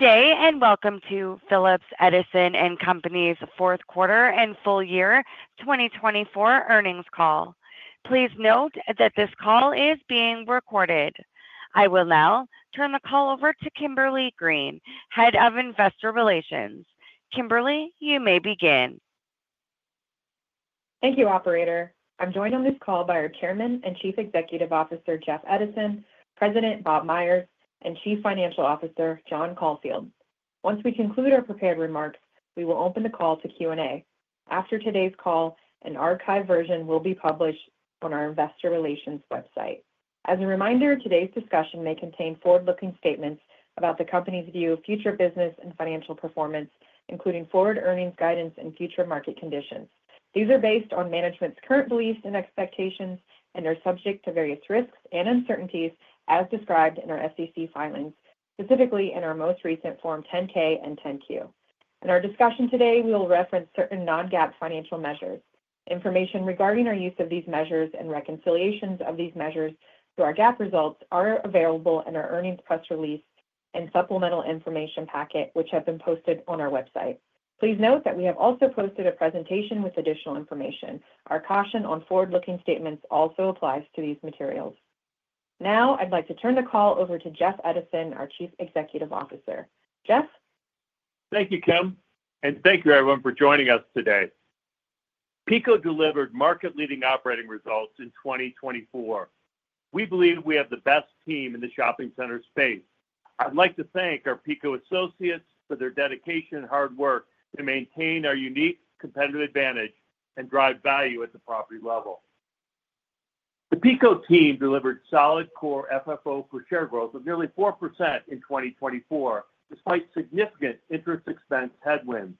Good day and welcome to Phillips Edison & Company's Fourth Quarter and Full Year 2024 Earnings Call. Please note that this call is being recorded. I will now turn the call over to Kimberly Green, Head of Investor Relations. Kimberly, you may begin. Thank you, Operator. I'm joined on this call by our Chairman and Chief Executive Officer, Jeff Edison, President Bob Myers, and Chief Financial Officer, John Caulfield. Once we conclude our prepared remarks, we will open the call to Q&A. After today's call, an archived version will be published on our Investor Relations website. As a reminder, today's discussion may contain forward-looking statements about the company's view of future business and financial performance, including forward earnings guidance and future market conditions. These are based on management's current beliefs and expectations and are subject to various risks and uncertainties, as described in our SEC filings, specifically in our most recent Form 10-K and 10-Q. In our discussion today, we will reference certain non-GAAP financial measures. Information regarding our use of these measures and reconciliations of these measures to our GAAP results are available in our earnings press release and supplemental information packet, which have been posted on our website. Please note that we have also posted a presentation with additional information. Our caution on forward-looking statements also applies to these materials. Now, I'd like to turn the call over to Jeff Edison, our Chief Executive Officer. Jeff? Thank you, Kim, and thank you, everyone, for joining us today. PECO delivered market-leading operating results in 2024. We believe we have the best team in the shopping center space. I'd like to thank our PECO associates for their dedication and hard work to maintain our unique competitive advantage and drive value at the property level. The PECO team delivered solid Core FFO per share growth of nearly 4% in 2024, despite significant interest expense headwinds.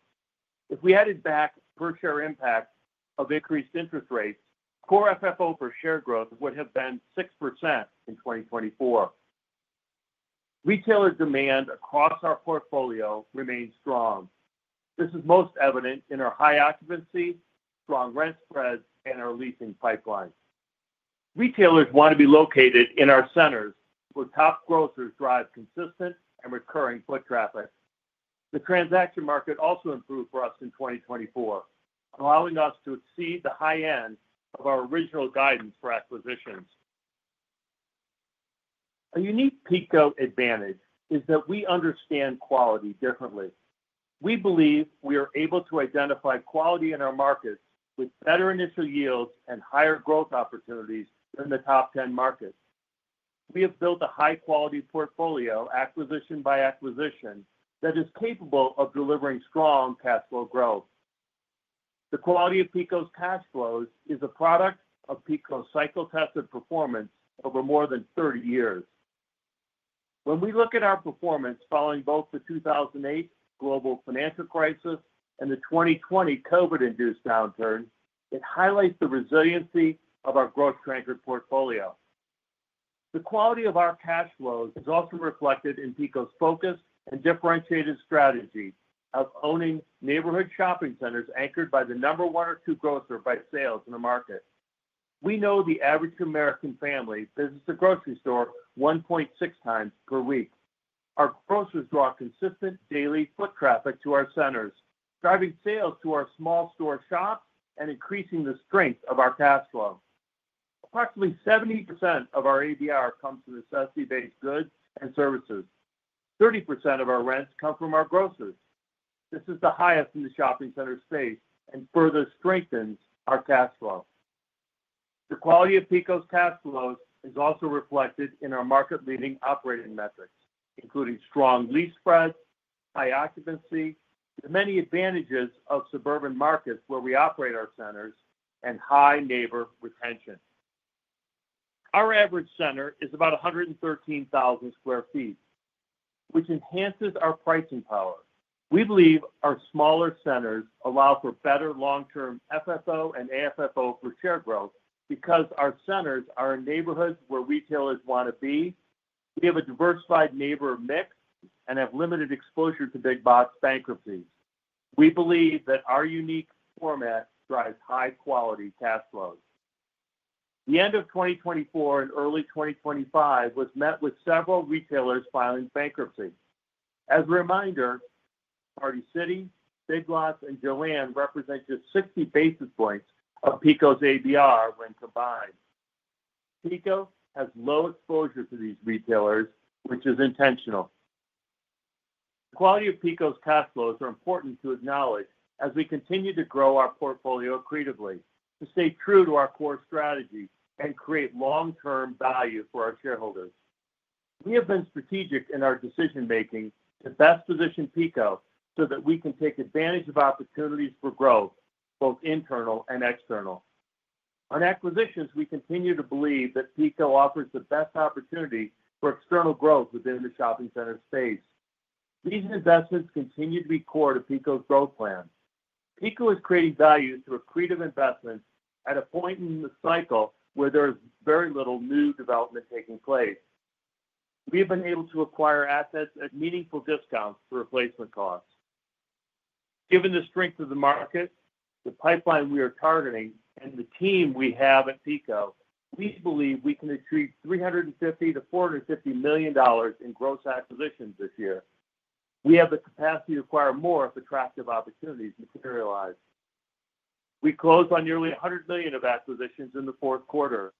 If we added back per-share impact of increased interest rates, Core FFO per share growth would have been 6% in 2024. Retailer demand across our portfolio remains strong. This is most evident in our high occupancy, strong rent spreads, and our leasing pipeline. Retailers want to be located in our centers where top grocers drive consistent and recurring foot traffic. The transaction market also improved for us in 2024, allowing us to exceed the high end of our original guidance for acquisitions. A unique PECO advantage is that we understand quality differently. We believe we are able to identify quality in our markets with better initial yields and higher growth opportunities than the top 10 markets. We have built a high-quality portfolio, acquisition by acquisition, that is capable of delivering strong cash flow growth. The quality of PECO's cash flows is a product of PECO's cycle-tested performance over more than 30 years. When we look at our performance following both the 2008 global financial crisis and the 2020 COVID-induced downturn, it highlights the resiliency of our grocery-anchored portfolio. The quality of our cash flows is also reflected in PECO's focus and differentiated strategy of owning neighborhood shopping centers anchored by the number one or two grocer by sales in the market. We know the average American family visits the grocery store 1.6 times per week. Our grocers draw consistent daily foot traffic to our centers, driving sales to our small store shops and increasing the strength of our cash flow. Approximately 70% of our ABR comes from necessity-based goods and services. 30% of our rents come from our grocers. This is the highest in the shopping center space and further strengthens our cash flow. The quality of PECO's cash flows is also reflected in our market-leading operating metrics, including strong lease spreads, high occupancy, the many advantages of suburban markets where we operate our centers, and high neighbor retention. Our average center is about 113,000 sq ft, which enhances our pricing power. We believe our smaller centers allow for better long-term FFO and AFFO per share growth because our centers are in neighborhoods where retailers want to be. We have a diversified neighbor mix and have limited exposure to big-box bankruptcies. We believe that our unique format drives high-quality cash flows. The end of 2024 and early 2025 was met with several retailers filing bankruptcy. As a reminder, Party City, Big Lots, and JOANN represent just 60 basis points of PECO's ABR when combined. PECO has low exposure to these retailers, which is intentional. The quality of PECO's cash flows are important to acknowledge as we continue to grow our portfolio accretively to stay true to our core strategy and create long-term value for our shareholders. We have been strategic in our decision-making to best position PECO so that we can take advantage of opportunities for growth, both internal and external. On acquisitions, we continue to believe that PECO offers the best opportunity for external growth within the shopping center space. These investments continue to be core to PECO's growth plan. PECO is creating value through accretive investments at a point in the cycle where there is very little new development taking place. We have been able to acquire assets at meaningful discounts for replacement costs. Given the strength of the market, the pipeline we are targeting, and the team we have at PECO, we believe we can achieve $350 million-$450 million in gross acquisitions this year. We have the capacity to acquire more if attractive opportunities materialize. We closed on nearly $100 million of acquisitions in the fourth quarter.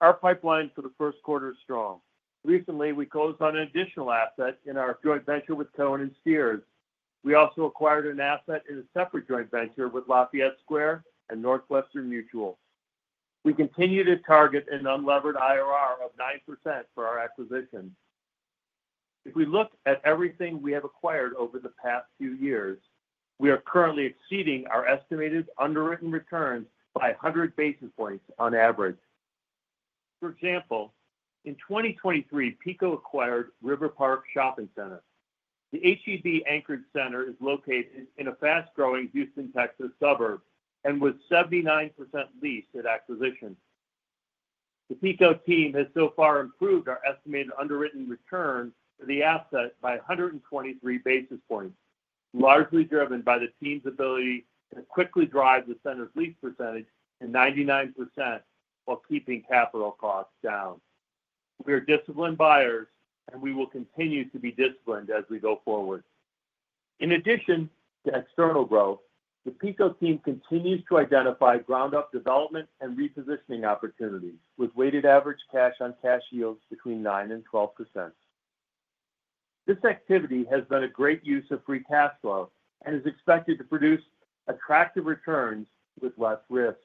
Our pipeline for the first quarter is strong. Recently, we closed on an additional asset in our joint venture with Cohen & Steers. We also acquired an asset in a separate joint venture with Lafayette Square and Northwestern Mutual. We continue to target an unlevered IRR of 9% for our acquisitions. If we look at everything we have acquired over the past few years, we are currently exceeding our estimated underwritten returns by 100 basis points on average. For example, in 2023, PECO acquired River Park Shopping Center. The H-E-B anchored center is located in a fast-growing Houston, Texas, suburb and was 79% leased at acquisition. The PECO team has so far improved our estimated underwritten return for the asset by 123 basis points, largely driven by the team's ability to quickly drive the center's lease percentage to 99% while keeping capital costs down. We are disciplined buyers, and we will continue to be disciplined as we go forward. In addition to external growth, the PECO team continues to identify ground-up development and repositioning opportunities with weighted average cash-on-cash yields between 9% and 12%. This activity has been a great use of free cash flow and is expected to produce attractive returns with less risk.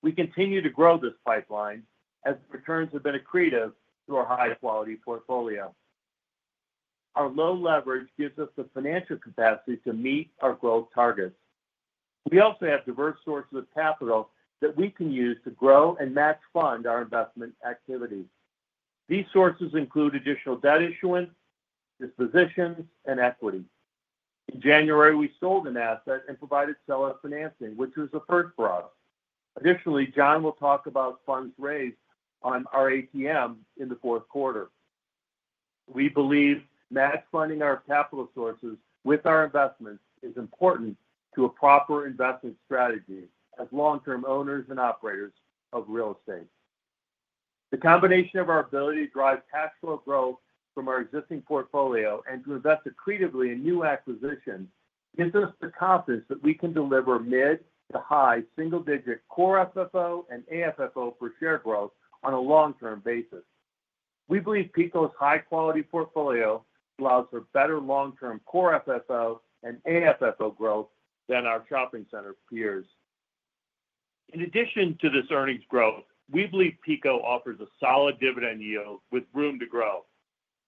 We continue to grow this pipeline as the returns have been accretive through our high-quality portfolio. Our low leverage gives us the financial capacity to meet our growth targets. We also have diverse sources of capital that we can use to grow and match fund our investment activities. These sources include additional debt issuance, dispositions, and equity. In January, we sold an asset and provided seller financing, which was a first for us. Additionally, John will talk about funds raised on our ATM in the fourth quarter. We believe match funding our capital sources with our investments is important to a proper investment strategy as long-term owners and operators of real estate. The combination of our ability to drive cash flow growth from our existing portfolio and to invest accretively in new acquisitions gives us the confidence that we can deliver mid- to high-single-digit Core FFO and AFFO per share growth on a long-term basis. We believe PECO's high-quality portfolio allows for better long-term Core FFO and AFFO growth than our shopping center peers. In addition to this earnings growth, we believe PECO offers a solid dividend yield with room to grow.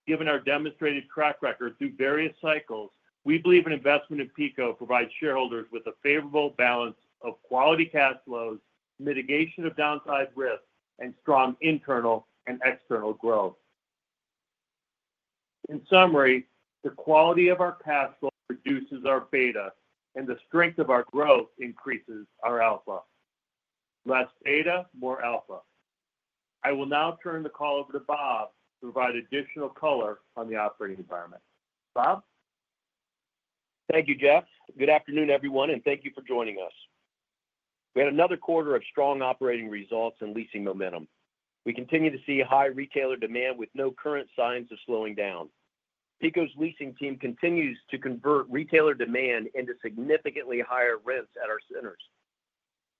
Given our demonstrated track record through various cycles, we believe an investment in PECO provides shareholders with a favorable balance of quality cash flows, mitigation of downside risk, and strong internal and external growth. In summary, the quality of our cash flow reduces our beta, and the strength of our growth increases our alpha. Less beta, more alpha. I will now turn the call over to Bob to provide additional color on the operating environment. Bob? Thank you, Jeff. Good afternoon, everyone, and thank you for joining us. We had another quarter of strong operating results and leasing momentum. We continue to see high retailer demand with no current signs of slowing down. PECO's leasing team continues to convert retailer demand into significantly higher rents at our centers.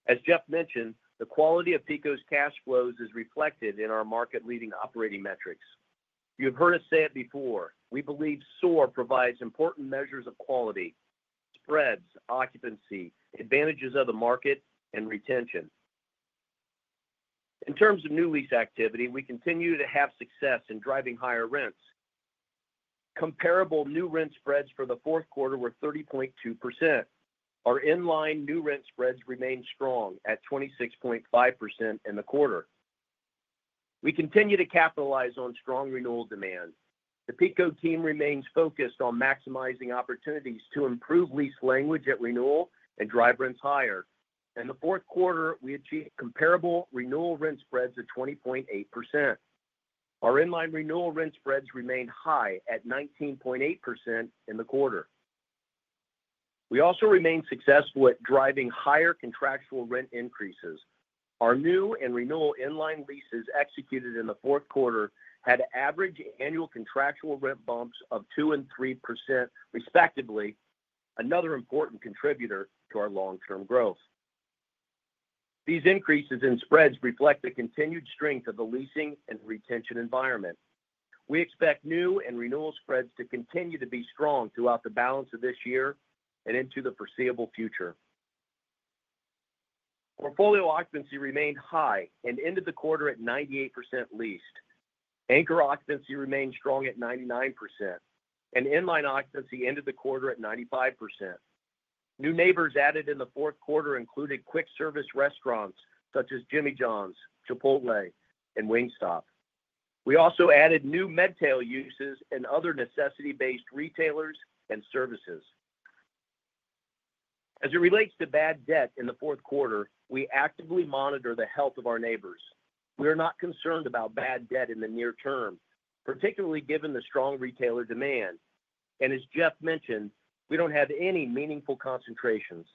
As Jeff mentioned, the quality of PECO's cash flows is reflected in our market-leading operating metrics. You have heard us say it before. We believe SOAR provides important measures of quality, spreads, occupancy, advantages of the market, and retention. In terms of new lease activity, we continue to have success in driving higher rents. Comparable new rent spreads for the fourth quarter were 30.2%. Our inline new rent spreads remain strong at 26.5% in the quarter. We continue to capitalize on strong renewal demand. The PECO team remains focused on maximizing opportunities to improve lease language at renewal and drive rents higher. In the fourth quarter, we achieved comparable renewal rent spreads of 20.8%. Our inline renewal rent spreads remained high at 19.8% in the quarter. We also remained successful at driving higher contractual rent increases. Our new and renewal inline leases executed in the fourth quarter had average annual contractual rent bumps of 2% and 3%, respectively, another important contributor to our long-term growth. These increases in spreads reflect the continued strength of the leasing and retention environment. We expect new and renewal spreads to continue to be strong throughout the balance of this year and into the foreseeable future. Portfolio occupancy remained high and ended the quarter at 98% leased. Anchor occupancy remained strong at 99%, and inline occupancy ended the quarter at 95%. New neighbors added in the fourth quarter included quick-service restaurants such as Jimmy John's, Chipotle, and Wingstop. We also added new MedTail uses and other necessity-based retailers and services. As it relates to bad debt in the fourth quarter, we actively monitor the health of our neighbors. We are not concerned about bad debt in the near term, particularly given the strong retailer demand, and as Jeff mentioned, we don't have any meaningful concentrations.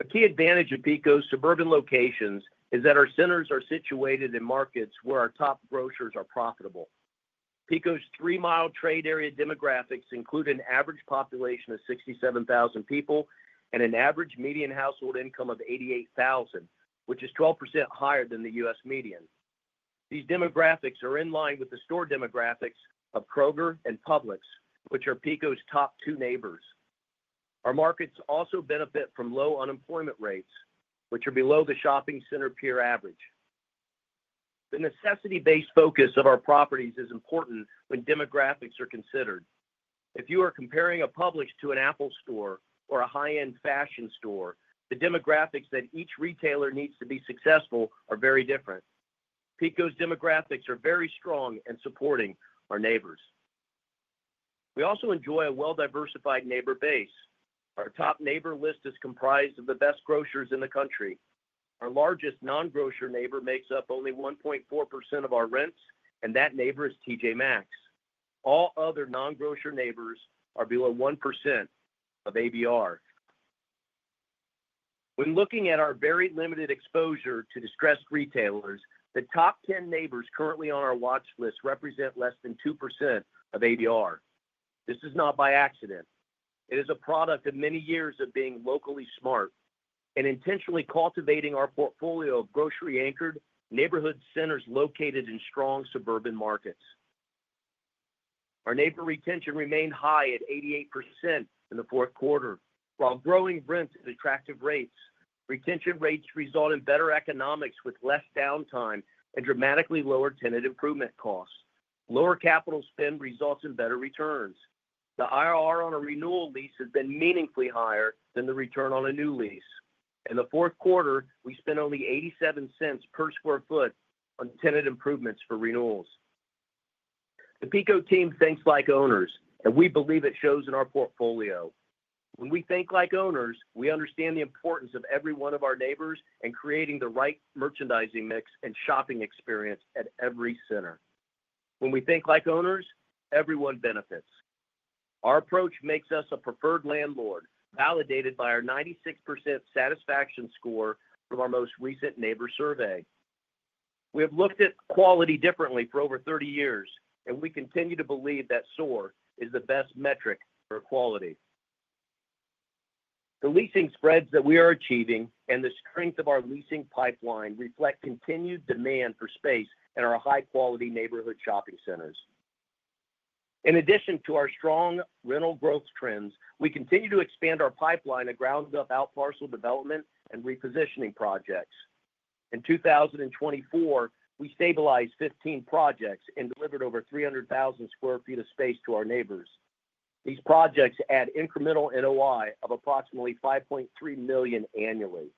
A key advantage of PECO's suburban locations is that our centers are situated in markets where our top grocers are profitable. PECO's three-mile trade area demographics include an average population of 67,000 people and an average median household income of $88,000, which is 12% higher than the U.S. median. These demographics are in line with the store demographics of Kroger and Publix, which are PECO's top two neighbors. Our markets also benefit from low unemployment rates, which are below the shopping center peer average. The necessity-based focus of our properties is important when demographics are considered. If you are comparing a Publix to an Apple store or a high-end fashion store, the demographics that each retailer needs to be successful are very different. PECO's demographics are very strong and supporting our neighbors. We also enjoy a well-diversified neighbor base. Our top neighbor list is comprised of the best grocers in the country. Our largest non-grocer neighbor makes up only 1.4% of our rents, and that neighbor is T.J. Maxx. All other non-grocer neighbors are below 1% of ABR. When looking at our very limited exposure to distressed retailers, the top 10 neighbors currently on our watch list represent less than 2% of ABR. This is not by accident. It is a product of many years of being locally smart and intentionally cultivating our portfolio of grocery-anchored neighborhood centers located in strong suburban markets. Our neighbor retention remained high at 88% in the fourth quarter. While growing rents at attractive rates, retention rates result in better economics with less downtime and dramatically lower tenant improvement costs. Lower capital spend results in better returns. The IRR on a renewal lease has been meaningfully higher than the return on a new lease. In the fourth quarter, we spent only $0.87 per sq ft on tenant improvements for renewals. The PECO team thinks like owners, and we believe it shows in our portfolio. When we think like owners, we understand the importance of every one of our neighbors and creating the right merchandising mix and shopping experience at every center. When we think like owners, everyone benefits. Our approach makes us a preferred landlord, validated by our 96% satisfaction score from our most recent neighbor survey. We have looked at quality differently for over 30 years, and we continue to believe that SOAR is the best metric for quality. The leasing spreads that we are achieving and the strength of our leasing pipeline reflect continued demand for space in our high-quality neighborhood shopping centers. In addition to our strong rental growth trends, we continue to expand our pipeline of ground-up outparcel development and repositioning projects. In 2024, we stabilized 15 projects and delivered over 300,000 sq ft of space to our neighbors. These projects add incremental NOI of approximately $5.3 million annually.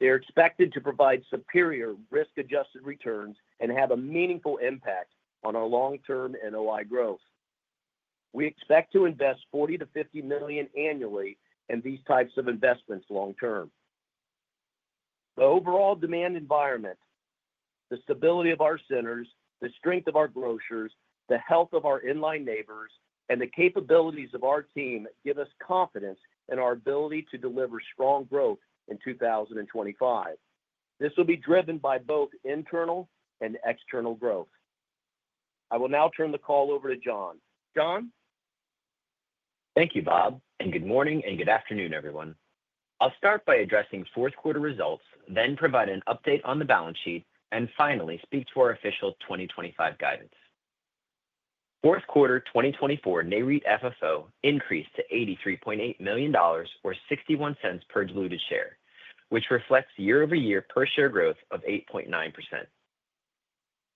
They are expected to provide superior risk-adjusted returns and have a meaningful impact on our long-term NOI growth. We expect to invest $40-$50 million annually in these types of investments long-term. The overall demand environment, the stability of our centers, the strength of our grocers, the health of our inline neighbors, and the capabilities of our team give us confidence in our ability to deliver strong growth in 2025. This will be driven by both internal and external growth. I will now turn the call over to John. John? Thank you, Bob. Good morning and good afternoon, everyone. I'll start by addressing fourth quarter results, then provide an update on the balance sheet, and finally speak to our official 2025 guidance. Fourth quarter 2024 NAREIT FFO increased to $83.8 million or $0.61 per diluted share, which reflects year-over-year per-share growth of 8.9%.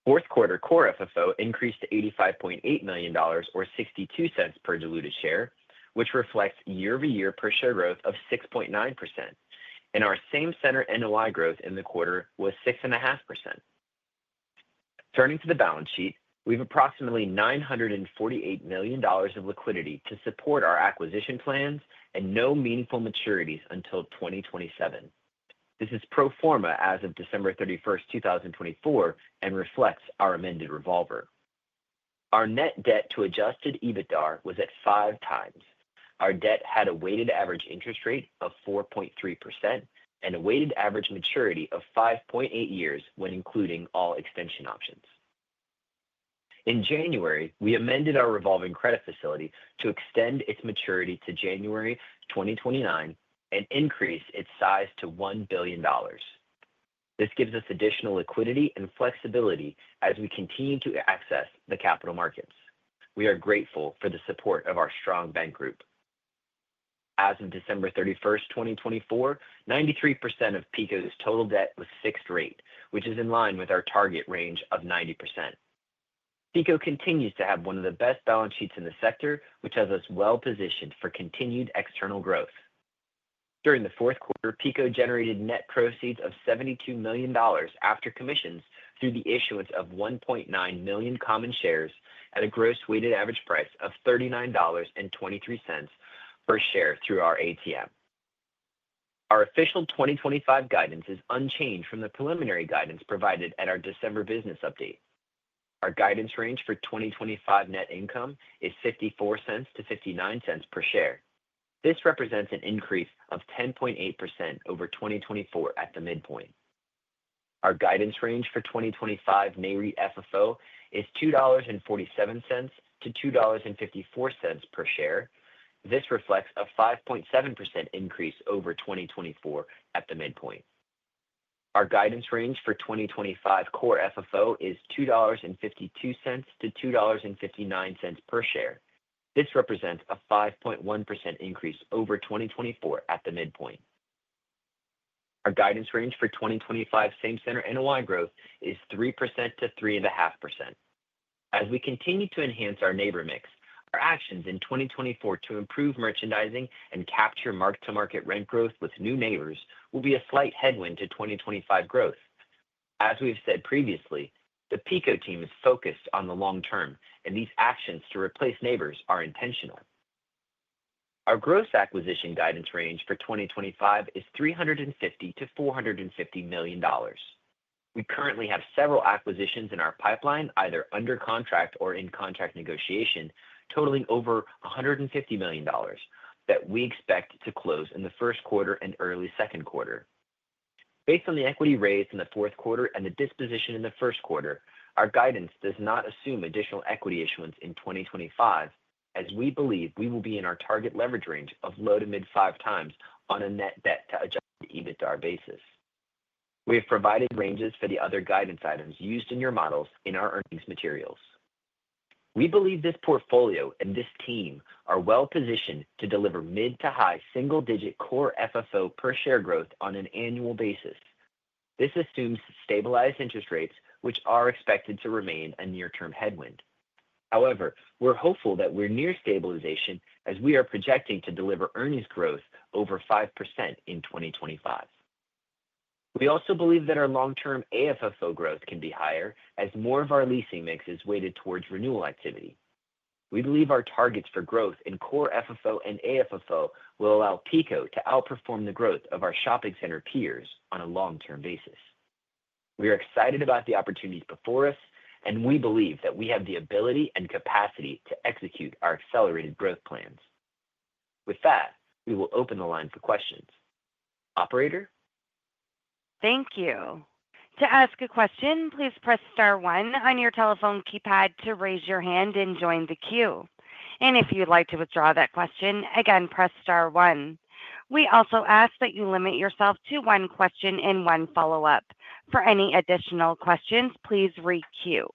Fourth quarter core FFO increased to $85.8 million or $0.62 per diluted share, which reflects year-over-year per-share growth of 6.9%. Our same-center NOI growth in the quarter was 6.5%. Turning to the balance sheet, we have approximately $948 million of liquidity to support our acquisition plans and no meaningful maturities until 2027. This is pro forma as of December 31, 2024, and reflects our amended revolver. Our net debt to adjusted EBITDA was at five times. Our debt had a weighted average interest rate of 4.3% and a weighted average maturity of 5.8 years when including all extension options. In January, we amended our revolving credit facility to extend its maturity to January 2029 and increase its size to $1 billion. This gives us additional liquidity and flexibility as we continue to access the capital markets. We are grateful for the support of our strong bank group. As of December 31, 2024, 93% of PECO's total debt was fixed rate, which is in line with our target range of 90%. PECO continues to have one of the best balance sheets in the sector, which has us well-positioned for continued external growth. During the fourth quarter, PECO generated net proceeds of $72 million after commissions through the issuance of 1.9 million common shares at a gross weighted average price of $39.23 per share through our ATM. Our official 2025 guidance is unchanged from the preliminary guidance provided at our December business update. Our guidance range for 2025 net income is $0.54-$0.59 per share. This represents an increase of 10.8% over 2024 at the midpoint. Our guidance range for 2025 NAREIT FFO is $2.47-$2.54 per share. This reflects a 5.7% increase over 2024 at the midpoint. Our guidance range for 2025 core FFO is $2.52-$2.59 per share. This represents a 5.1% increase over 2024 at the midpoint. Our guidance range for 2025 Same-Center NOI growth is 3%-3.5%. As we continue to enhance our neighbor mix, our actions in 2024 to improve merchandising and capture mark-to-market rent growth with new neighbors will be a slight headwind to 2025 growth. As we have said previously, the PECO team is focused on the long term, and these actions to replace neighbors are intentional. Our gross acquisition guidance range for 2025 is $350-$450 million. We currently have several acquisitions in our pipeline, either under contract or in contract negotiation, totaling over $150 million that we expect to close in the first quarter and early second quarter. Based on the equity raised in the fourth quarter and the disposition in the first quarter, our guidance does not assume additional equity issuance in 2025, as we believe we will be in our target leverage range of low to mid five times on a net debt to adjusted EBITDA basis. We have provided ranges for the other guidance items used in your models in our earnings materials. We believe this portfolio and this team are well-positioned to deliver mid- to high single-digit Core FFO per share growth on an annual basis. This assumes stabilized interest rates, which are expected to remain a near-term headwind. However, we're hopeful that we're near stabilization as we are projecting to deliver earnings growth over 5% in 2025. We also believe that our long-term AFFO growth can be higher as more of our leasing mix is weighted towards renewal activity. We believe our targets for growth in Core FFO and AFFO will allow PECO to outperform the growth of our shopping center peers on a long-term basis. We are excited about the opportunities before us, and we believe that we have the ability and capacity to execute our accelerated growth plans. With that, we will open the line for questions. Operator? Thank you. To ask a question, please press star one on your telephone keypad to raise your hand and join the queue. And if you'd like to withdraw that question, again, press star one. We also ask that you limit yourself to one question and one follow-up. For any additional questions, please re-queue.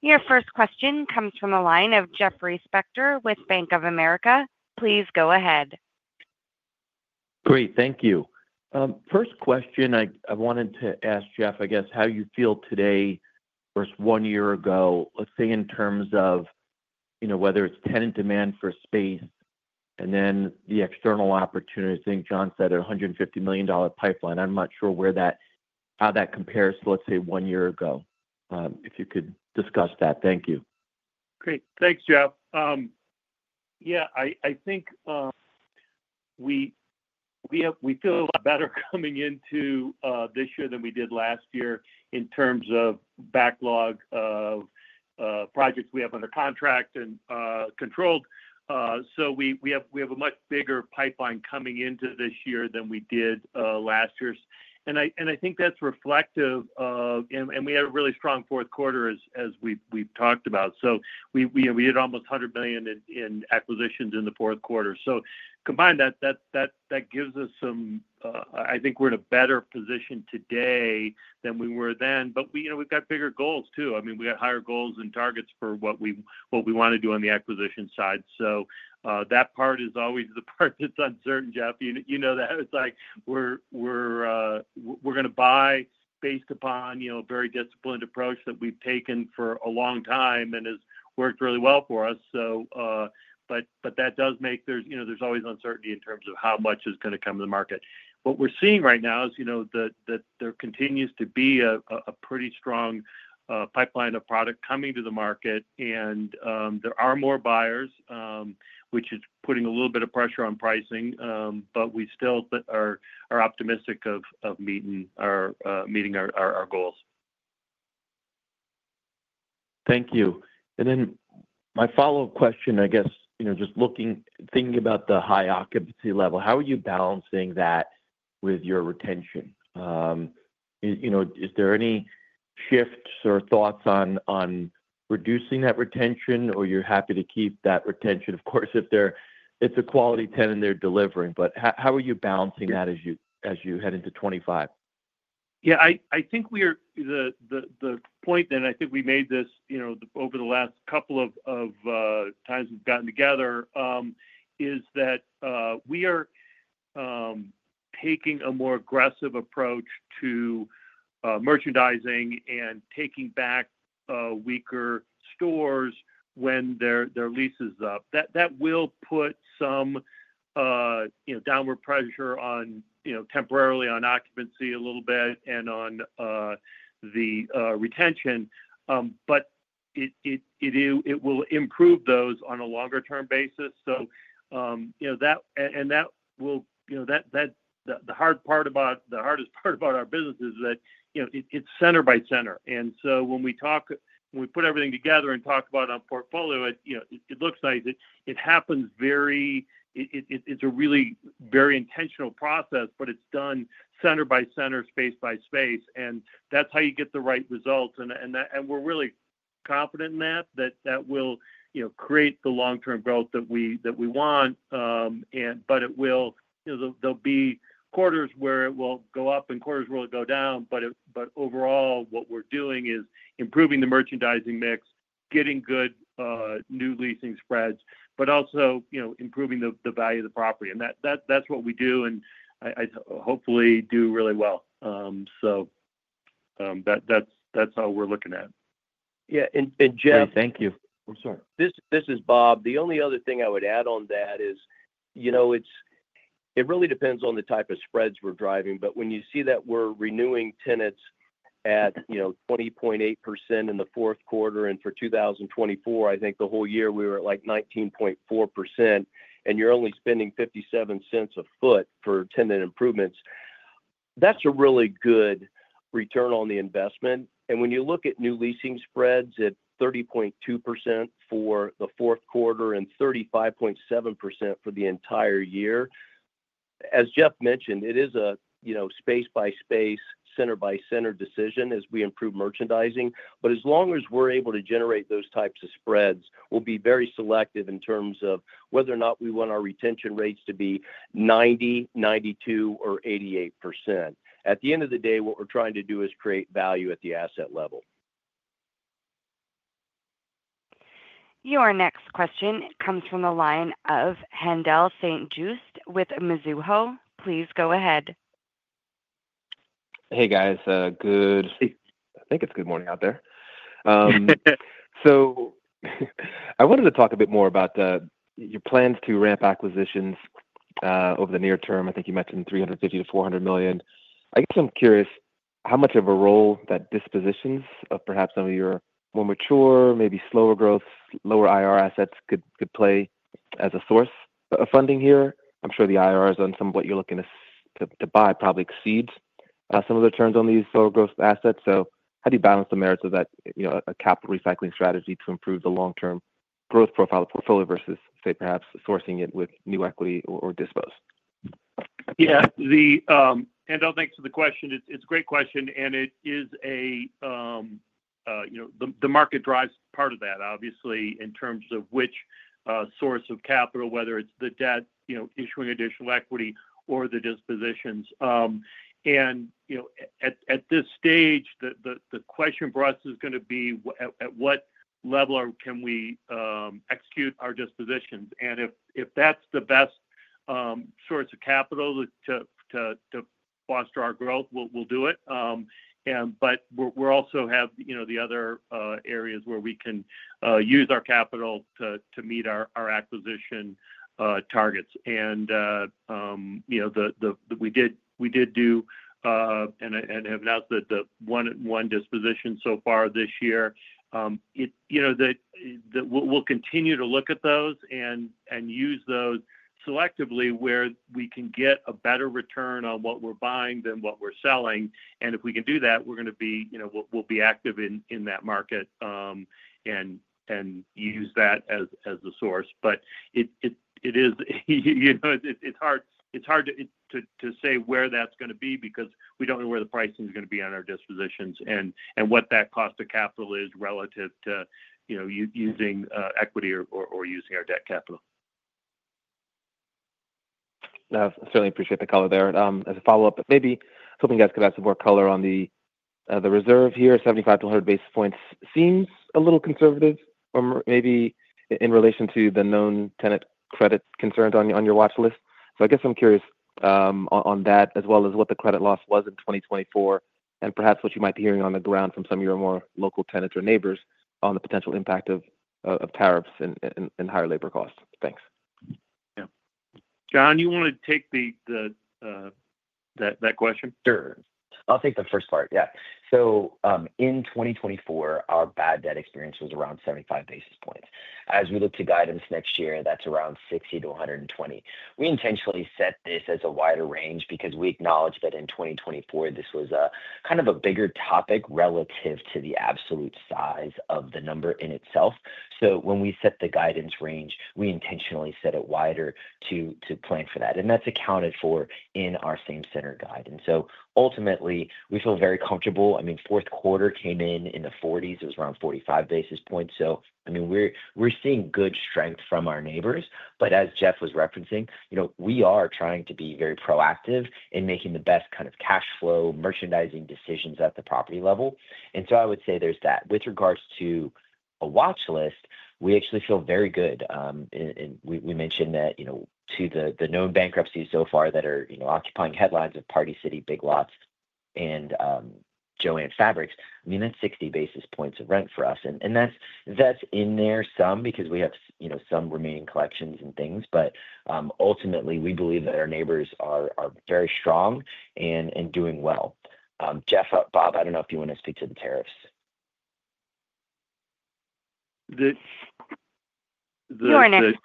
Your first question comes from the line of Jeffrey Spector with Bank of America. Please go ahead. Great. Thank you. First question, I wanted to ask Jeff, I guess, how you feel today versus one year ago, let's say in terms of whether it's tenant demand for space and then the external opportunity. I think John said a $150 million pipeline. I'm not sure how that compares to, let's say, one year ago. If you could discuss that. Thank you. Great. Thanks, Jeff. Yeah, I think we feel a lot better coming into this year than we did last year in terms of backlog of projects we have under contract and controlled, so we have a much bigger pipeline coming into this year than we did last year, and I think that's reflective, and we had a really strong fourth quarter, as we've talked about, so we did almost $100 million in acquisitions in the fourth quarter, so combined, that gives us some, I think we're in a better position today than we were then, but we've got bigger goals too. I mean, we got higher goals and targets for what we want to do on the acquisition side, so that part is always the part that's uncertain, Jeff. You know that. It's like we're going to buy based upon a very disciplined approach that we've taken for a long time and has worked really well for us. But that does make. There's always uncertainty in terms of how much is going to come to the market. What we're seeing right now is there continues to be a pretty strong pipeline of product coming to the market, and there are more buyers, which is putting a little bit of pressure on pricing. But we still are optimistic of meeting our goals. Thank you. And then my follow-up question, I guess, just thinking about the high occupancy level, how are you balancing that with your retention? Is there any shifts or thoughts on reducing that retention, or you're happy to keep that retention? Of course, if it's a quality tenant, they're delivering. But how are you balancing that as you head into 2025? Yeah, I think the point, and I think we made this over the last couple of times we've gotten together, is that we are taking a more aggressive approach to merchandising and taking back weaker stores when their lease is up. That will put some downward pressure temporarily on occupancy a little bit and on the retention, but it will improve those on a longer-term basis. The hardest part about our business is that it's center by center. And so when we talk, when we put everything together and talk about our portfolio, it looks nice. It happens very. It's a really very intentional process, but it's done center by center, space by space. And that's how you get the right results. And we're really confident in that, that that will create the long-term growth that we want. But there'll be quarters where it will go up and quarters where it will go down. But overall, what we're doing is improving the merchandising mix, getting good new leasing spreads, but also improving the value of the property. And that's what we do, and I hopefully do really well. So that's how we're looking at it. Yeah. And Jeff. Hey, thank you. I'm sorry. This is Bob. The only other thing I would add on that is it really depends on the type of spreads we're driving. But when you see that we're renewing tenants at 20.8% in the fourth quarter, and for 2024, I think the whole year we were at like 19.4%, and you're only spending $0.57 per sq ft for tenant improvements, that's a really good return on the investment. And when you look at new leasing spreads at 30.2% for the fourth quarter and 35.7% for the entire year, as Jeff mentioned, it is a space by space, center by center decision as we improve merchandising. But as long as we're able to generate those types of spreads, we'll be very selective in terms of whether or not we want our retention rates to be 90%, 92%, or 88%. At the end of the day, what we're trying to do is create value at the asset level. Your next question comes from the line of Haendel St. Juste with Mizuho. Please go ahead. Hey, guys. Good. I think it's good morning out there. So I wanted to talk a bit more about your plans to ramp acquisitions over the near term. I think you mentioned $350 million-$400 million. I guess I'm curious how much of a role that dispositions of perhaps some of your more mature, maybe slower growth, lower IRR assets could play as a source of funding here. I'm sure the IRRs on some of what you're looking to buy probably exceed some of the returns on these lower growth assets. So how do you balance the merits of that capital recycling strategy to improve the long-term growth profile of the portfolio versus, say, perhaps sourcing it with new equity or disposed? Yeah. Haendel, thanks for the question. It's a great question. And it is the market drives part of that, obviously, in terms of which source of capital, whether it's the debt issuing additional equity or the dispositions. And at this stage, the question for us is going to be at what level can we execute our dispositions. And if that's the best source of capital to foster our growth, we'll do it. But we'll also have the other areas where we can use our capital to meet our acquisition targets. And we did do and have announced the one-to-one disposition so far this year. We'll continue to look at those and use those selectively where we can get a better return on what we're buying than what we're selling. And if we can do that, we'll be active in that market and use that as a source. But it is, it's hard to say where that's going to be because we don't know where the pricing is going to be on our dispositions and what that cost of capital is relative to using equity or using our debt capital. I certainly appreciate the color there. As a follow-up, maybe hoping you guys could add some more color on the reserve here. 75-100 basis points seems a little conservative or maybe in relation to the known tenant credit concerns on your watch list. So I guess I'm curious on that as well as what the credit loss was in 2024 and perhaps what you might be hearing on the ground from some of your more local tenants or neighbors on the potential impact of tariffs and higher labor costs. Thanks. Yeah. John, you want to take that question? Sure. I'll take the first part. Yeah, so in 2024, our bad debt experience was around 75 basis points. As we look to guidance next year, that's around 60-120. We intentionally set this as a wider range because we acknowledge that in 2024, this was kind of a bigger topic relative to the absolute size of the number in itself, so when we set the guidance range, we intentionally set it wider to plan for that, and that's accounted for in our same-center guide, so ultimately, we feel very comfortable. I mean, fourth quarter came in in the 40s. It was around 45 basis points. So I mean, we're seeing good strength from our neighbors, but as Jeff was referencing, we are trying to be very proactive in making the best kind of cash flow merchandising decisions at the property level. I would say there's that. With regards to a watch list, we actually feel very good. We mentioned that, the known bankruptcies so far that are occupying headlines of Party City, Big Lots, and JOANN. I mean, that's 60 basis points of rent for us. That's in there some because we have some remaining collections and things. Ultimately, we believe that our neighbors are very strong and doing well. Jeff, Bob, I don't know if you want to speak to the tariffs. The. Your next.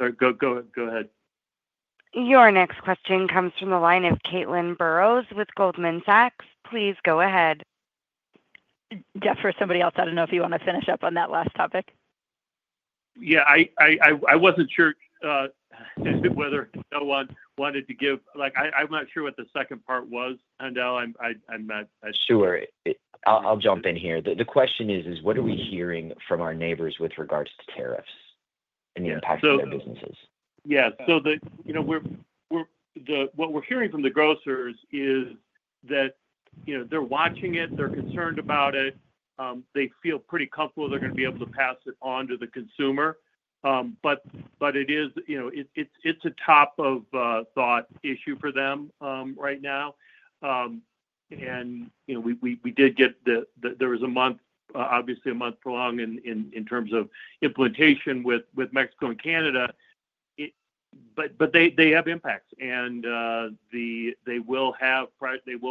Sorry. Go ahead. Your next question comes from the line of Caitlin Burrows with Goldman Sachs. Please go ahead. Jeff, or somebody else, I don't know if you want to finish up on that last topic. Yeah. I wasn't sure whether no one wanted to give. I'm not sure what the second part was, Haendel. I'm not. Sure. I'll jump in here. The question is, what are we hearing from our neighbors with regards to tariffs and the impact on their businesses? Yeah. So what we're hearing from the grocers is that they're watching it. They're concerned about it. They feel pretty comfortable they're going to be able to pass it on to the consumer. But it's a top-of-mind issue for them right now. And there was a month, obviously a month prolonged in terms of implementation with Mexico and Canada. But they have impacts. And they will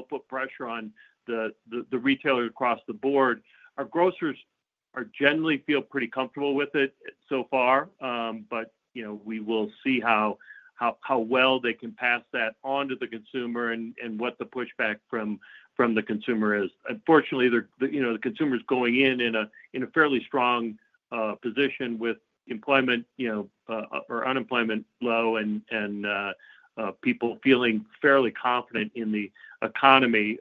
put pressure on the retailer across the board. Our grocers generally feel pretty comfortable with it so far. But we will see how well they can pass that on to the consumer and what the pushback from the consumer is. Unfortunately, the consumer is going in a fairly strong position with employment or unemployment low and people feeling fairly confident in the economy.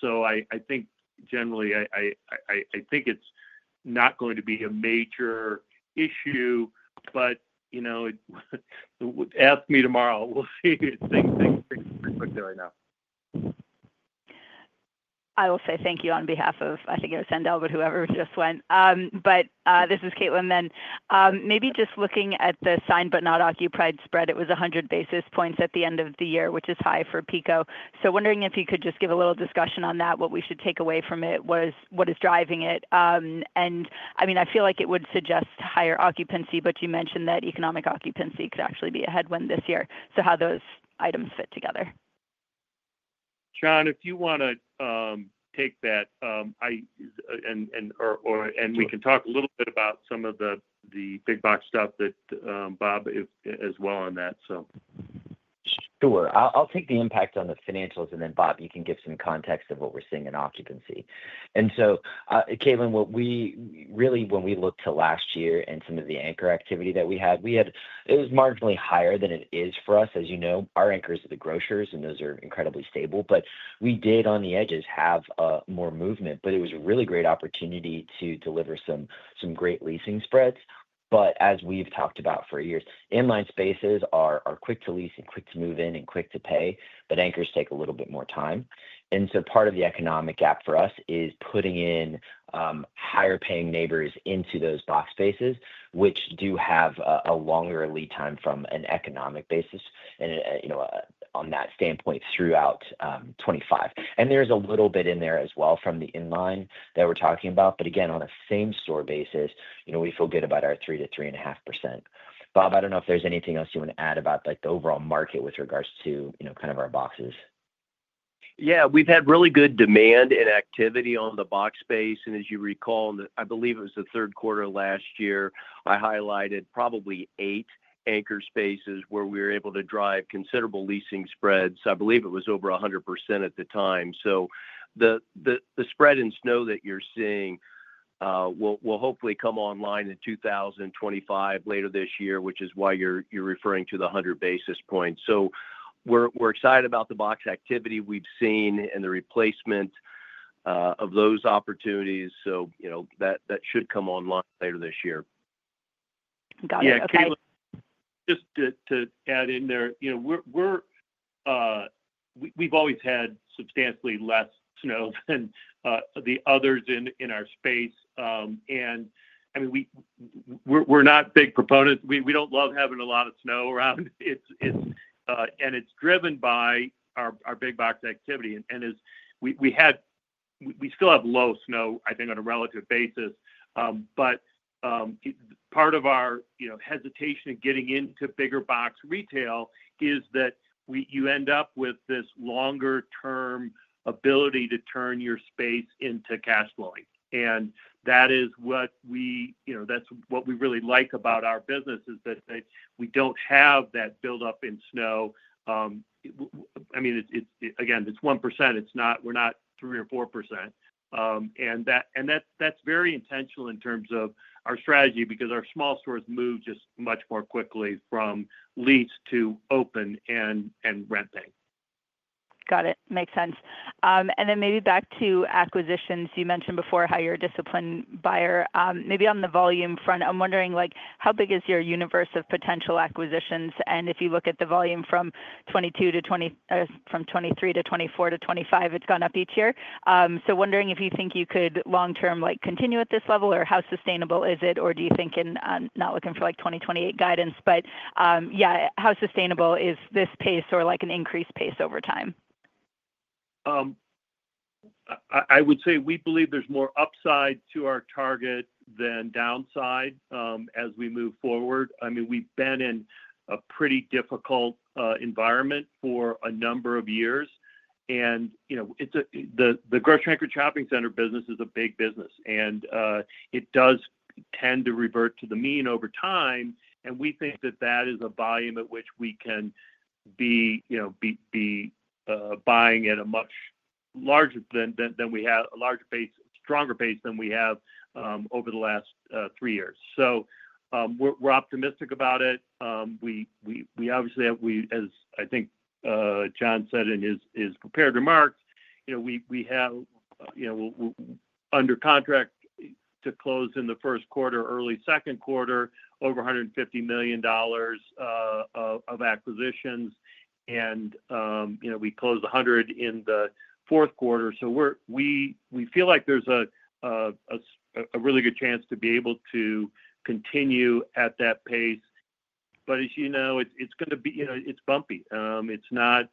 So I think, generally, it's not going to be a major issue. But ask me tomorrow. We'll see. Things are pretty quick there right now. I will say thank you on behalf of, I think it was Haendel or whoever just went. But this is Caitlin then. Maybe just looking at the signed but not occupied spread, it was 100 basis points at the end of the year, which is high for PECO. So wondering if you could just give a little discussion on that, what we should take away from it, what is driving it. And I mean, I feel like it would suggest higher occupancy, but you mentioned that economic occupancy could actually be a headwind this year. So how do those items fit together? John, if you want to take that and we can talk a little bit about some of the big box stuff that Bob as well on that, so. Sure. I'll take the impact on the financials, and then, Bob, you can give some context of what we're seeing in occupancy, and so, Caitlin, really, when we looked to last year and some of the anchor activity that we had, it was marginally higher than it is for us. As you know, our anchors are the grocers, and those are incredibly stable, but we did, on the edges, have more movement, but it was a really great opportunity to deliver some great leasing spreads. But as we've talked about for years, inline spaces are quick to lease and quick to move in and quick to pay, but anchors take a little bit more time, and so part of the economic gap for us is putting in higher-paying neighbors into those box spaces, which do have a longer lead time from an economic basis and on that standpoint throughout 2025. And there's a little bit in there as well from the inline that we're talking about. But again, on a same-store basis, we feel good about our 3%-3.5%. Bob, I don't know if there's anything else you want to add about the overall market with regards to kind of our boxes. Yeah. We've had really good demand and activity on the box space. And as you recall, I believe it was the third quarter of last year, I highlighted probably eight anchor spaces where we were able to drive considerable leasing spreads. I believe it was over 100% at the time. So the spread in SNO that you're seeing will hopefully come online in 2025, later this year, which is why you're referring to the 100 basis points. So we're excited about the box activity we've seen and the replacement of those opportunities. So that should come online later this year. Got it. Okay. Yeah. Caitlin, just to add in there, we've always had substantially less SNO than the others in our space. And I mean, we're not big proponents. We don't love having a lot of SNO around. And it's driven by our big box activity. And we still have low SNO, I think, on a relative basis. But part of our hesitation in getting into bigger box retail is that you end up with this longer-term ability to turn your space into cash flowing. And that is what we—that's what we really like about our business, is that we don't have that buildup in SNO. I mean, again, it's 1%. We're not 3 or 4%. And that's very intentional in terms of our strategy because our small stores move just much more quickly from lease to open and renting. Got it. Makes sense. And then maybe back to acquisitions. You mentioned before how you're a disciplined buyer. Maybe on the volume front, I'm wondering how big is your universe of potential acquisitions? And if you look at the volume from 2022 to 2023 to 2024 to 2025, it's gone up each year. So wondering if you think you could long-term continue at this level, or how sustainable is it, or do you think in not looking for 2028 guidance? But yeah, how sustainable is this pace or an increased pace over time? I would say we believe there's more upside to our target than downside as we move forward. I mean, we've been in a pretty difficult environment for a number of years. And the grocery and anchor shopping center business is a big business. And it does tend to revert to the mean over time. And we think that that is a volume at which we can be buying at a much larger than we have a large base, stronger base than we have over the last three years. So we're optimistic about it. We obviously have, as I think John said in his prepared remarks, we have under contract to close in the first quarter, early second quarter, over $150 million of acquisitions. And we closed $100 million in the fourth quarter. So we feel like there's a really good chance to be able to continue at that pace. But as you know, it's going to be. It's bumpy. It's not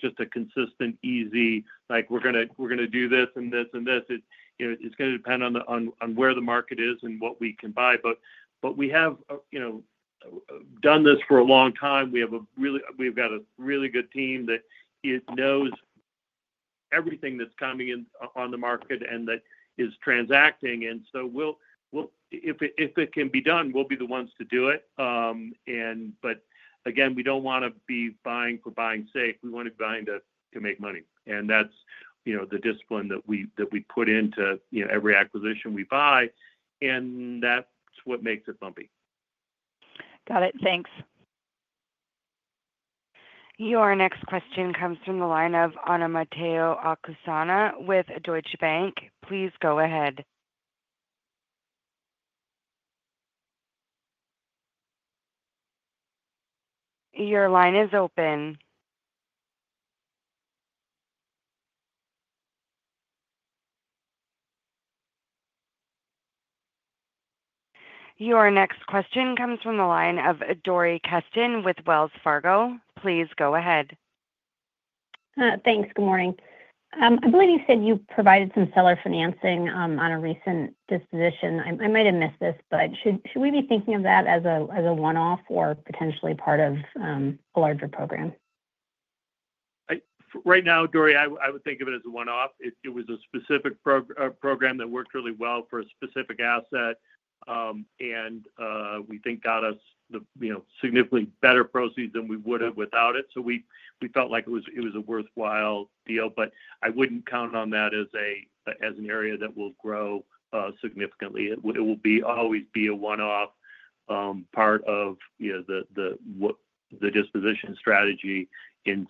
just a consistent, easy, like, "We're going to do this and this and this." It's going to depend on where the market is and what we can buy. But we have done this for a long time. We have a really, we've got a really good team that knows everything that's coming on the market and that is transacting. And so if it can be done, we'll be the ones to do it. But again, we don't want to be buying for buying's sake. We want to be buying to make money. And that's the discipline that we put into every acquisition we buy. And that's what makes it bumpy. Got it. Thanks. Your next question comes from the line of Omotayo Okusanya with Deutsche Bank. Please go ahead. Your line is open. Your next question comes from the line of Dori Kesten with Wells Fargo. Please go ahead. Thanks. Good morning. I believe you said you provided some seller financing on a recent disposition. I might have missed this, but should we be thinking of that as a one-off or potentially part of a larger program? Right now, Dori, I would think of it as a one-off. It was a specific program that worked really well for a specific asset, and we think got us significantly better proceeds than we would have without it, so we felt like it was a worthwhile deal, but I wouldn't count on that as an area that will grow significantly. It will always be a one-off part of the disposition strategy in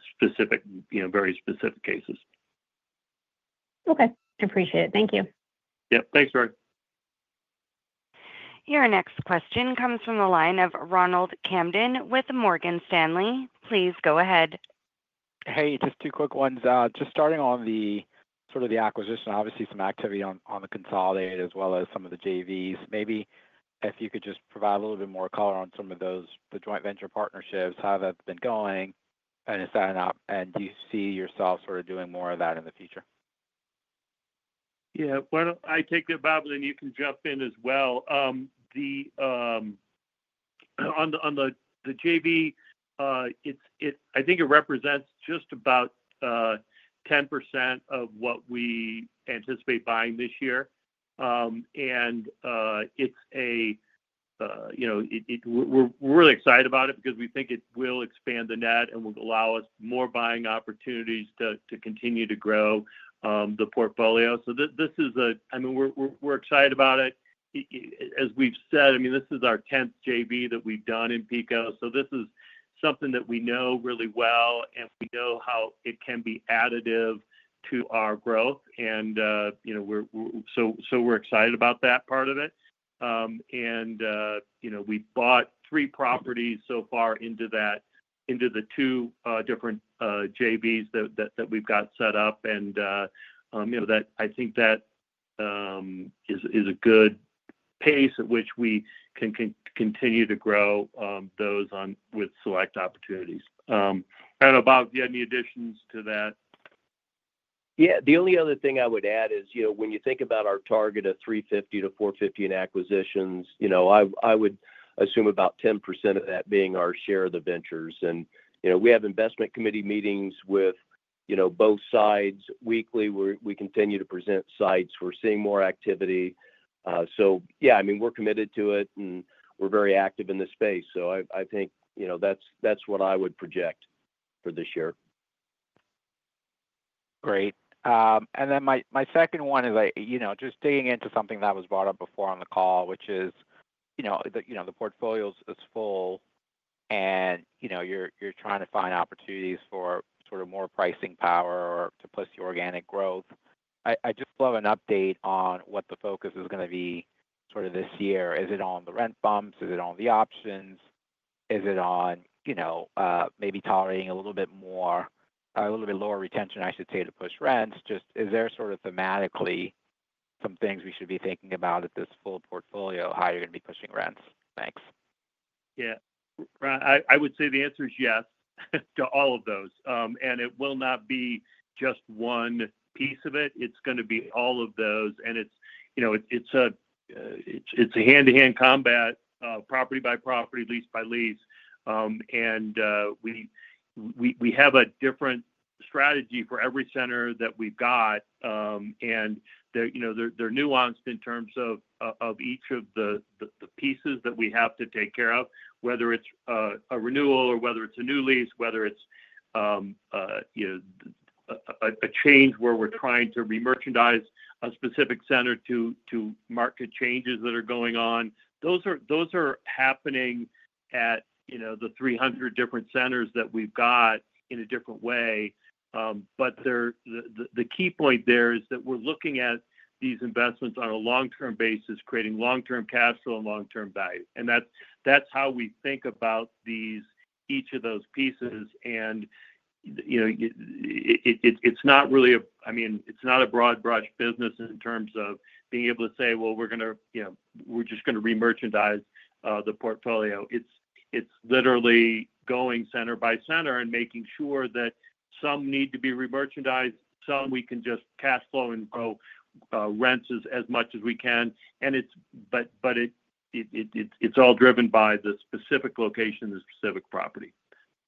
very specific cases. Okay. Appreciate it. Thank you. Yep. Thanks, Dori. Your next question comes from the line of Ronald Kamdem with Morgan Stanley. Please go ahead. Hey, just two quick ones. Just starting on sort of the acquisition, obviously some activity on the Consolidated as well as some of the JVs. Maybe if you could just provide a little bit more color on some of those, the joint venture partnerships, how that's been going, and do you see yourself sort of doing more of that in the future? Yeah. Well, I take it, Bob, and then you can jump in as well. On the JV, I think it represents just about 10% of what we anticipate buying this year. And it's a—we're really excited about it because we think it will expand the net and will allow us more buying opportunities to continue to grow the portfolio. So this is a—I mean, we're excited about it. As we've said, I mean, this is our 10th JV that we've done in PECO. So this is something that we know really well, and we know how it can be additive to our growth. And so we're excited about that part of it. And we've bought three properties so far into the two different JVs that we've got set up. And I think that is a good pace at which we can continue to grow those with select opportunities. I don't know, Bob, do you have any additions to that? Yeah. The only other thing I would add is when you think about our target of 350-450 in acquisitions, I would assume about 10% of that being our share of the ventures. And we have investment committee meetings with both sides weekly. We continue to present sites. We're seeing more activity. So yeah, I mean, we're committed to it, and we're very active in this space. So I think that's what I would project for this year. Great. And then my second one is just digging into something that was brought up before on the call, which is the portfolio is full, and you're trying to find opportunities for sort of more pricing power to push the organic growth. I just love an update on what the focus is going to be sort of this year. Is it on the rent bumps? Is it on the options? Is it on maybe tolerating a little bit more, a little bit lower retention, I should say, to push rents? Just is there sort of thematically some things we should be thinking about at this full portfolio, how you're going to be pushing rents? Thanks. Yeah. I would say the answer is yes to all of those. And it will not be just one piece of it. It's going to be all of those. And it's a hand-to-hand combat, property by property, lease by lease. And we have a different strategy for every center that we've got. And they're nuanced in terms of each of the pieces that we have to take care of, whether it's a renewal or whether it's a new lease, whether it's a change where we're trying to re-merchandise a specific center to market changes that are going on. Those are happening at the 300 different centers that we've got in a different way. But the key point there is that we're looking at these investments on a long-term basis, creating long-term cash flow and long-term value. And that's how we think about each of those pieces. It's not really, I mean, it's not a broad brush business in terms of being able to say, "Well, we're going to, we're just going to re-merchandise the portfolio." It's literally going center by center and making sure that some need to be re-merchandised, some we can just cash flow and grow rents as much as we can, it's all driven by the specific location, the specific property.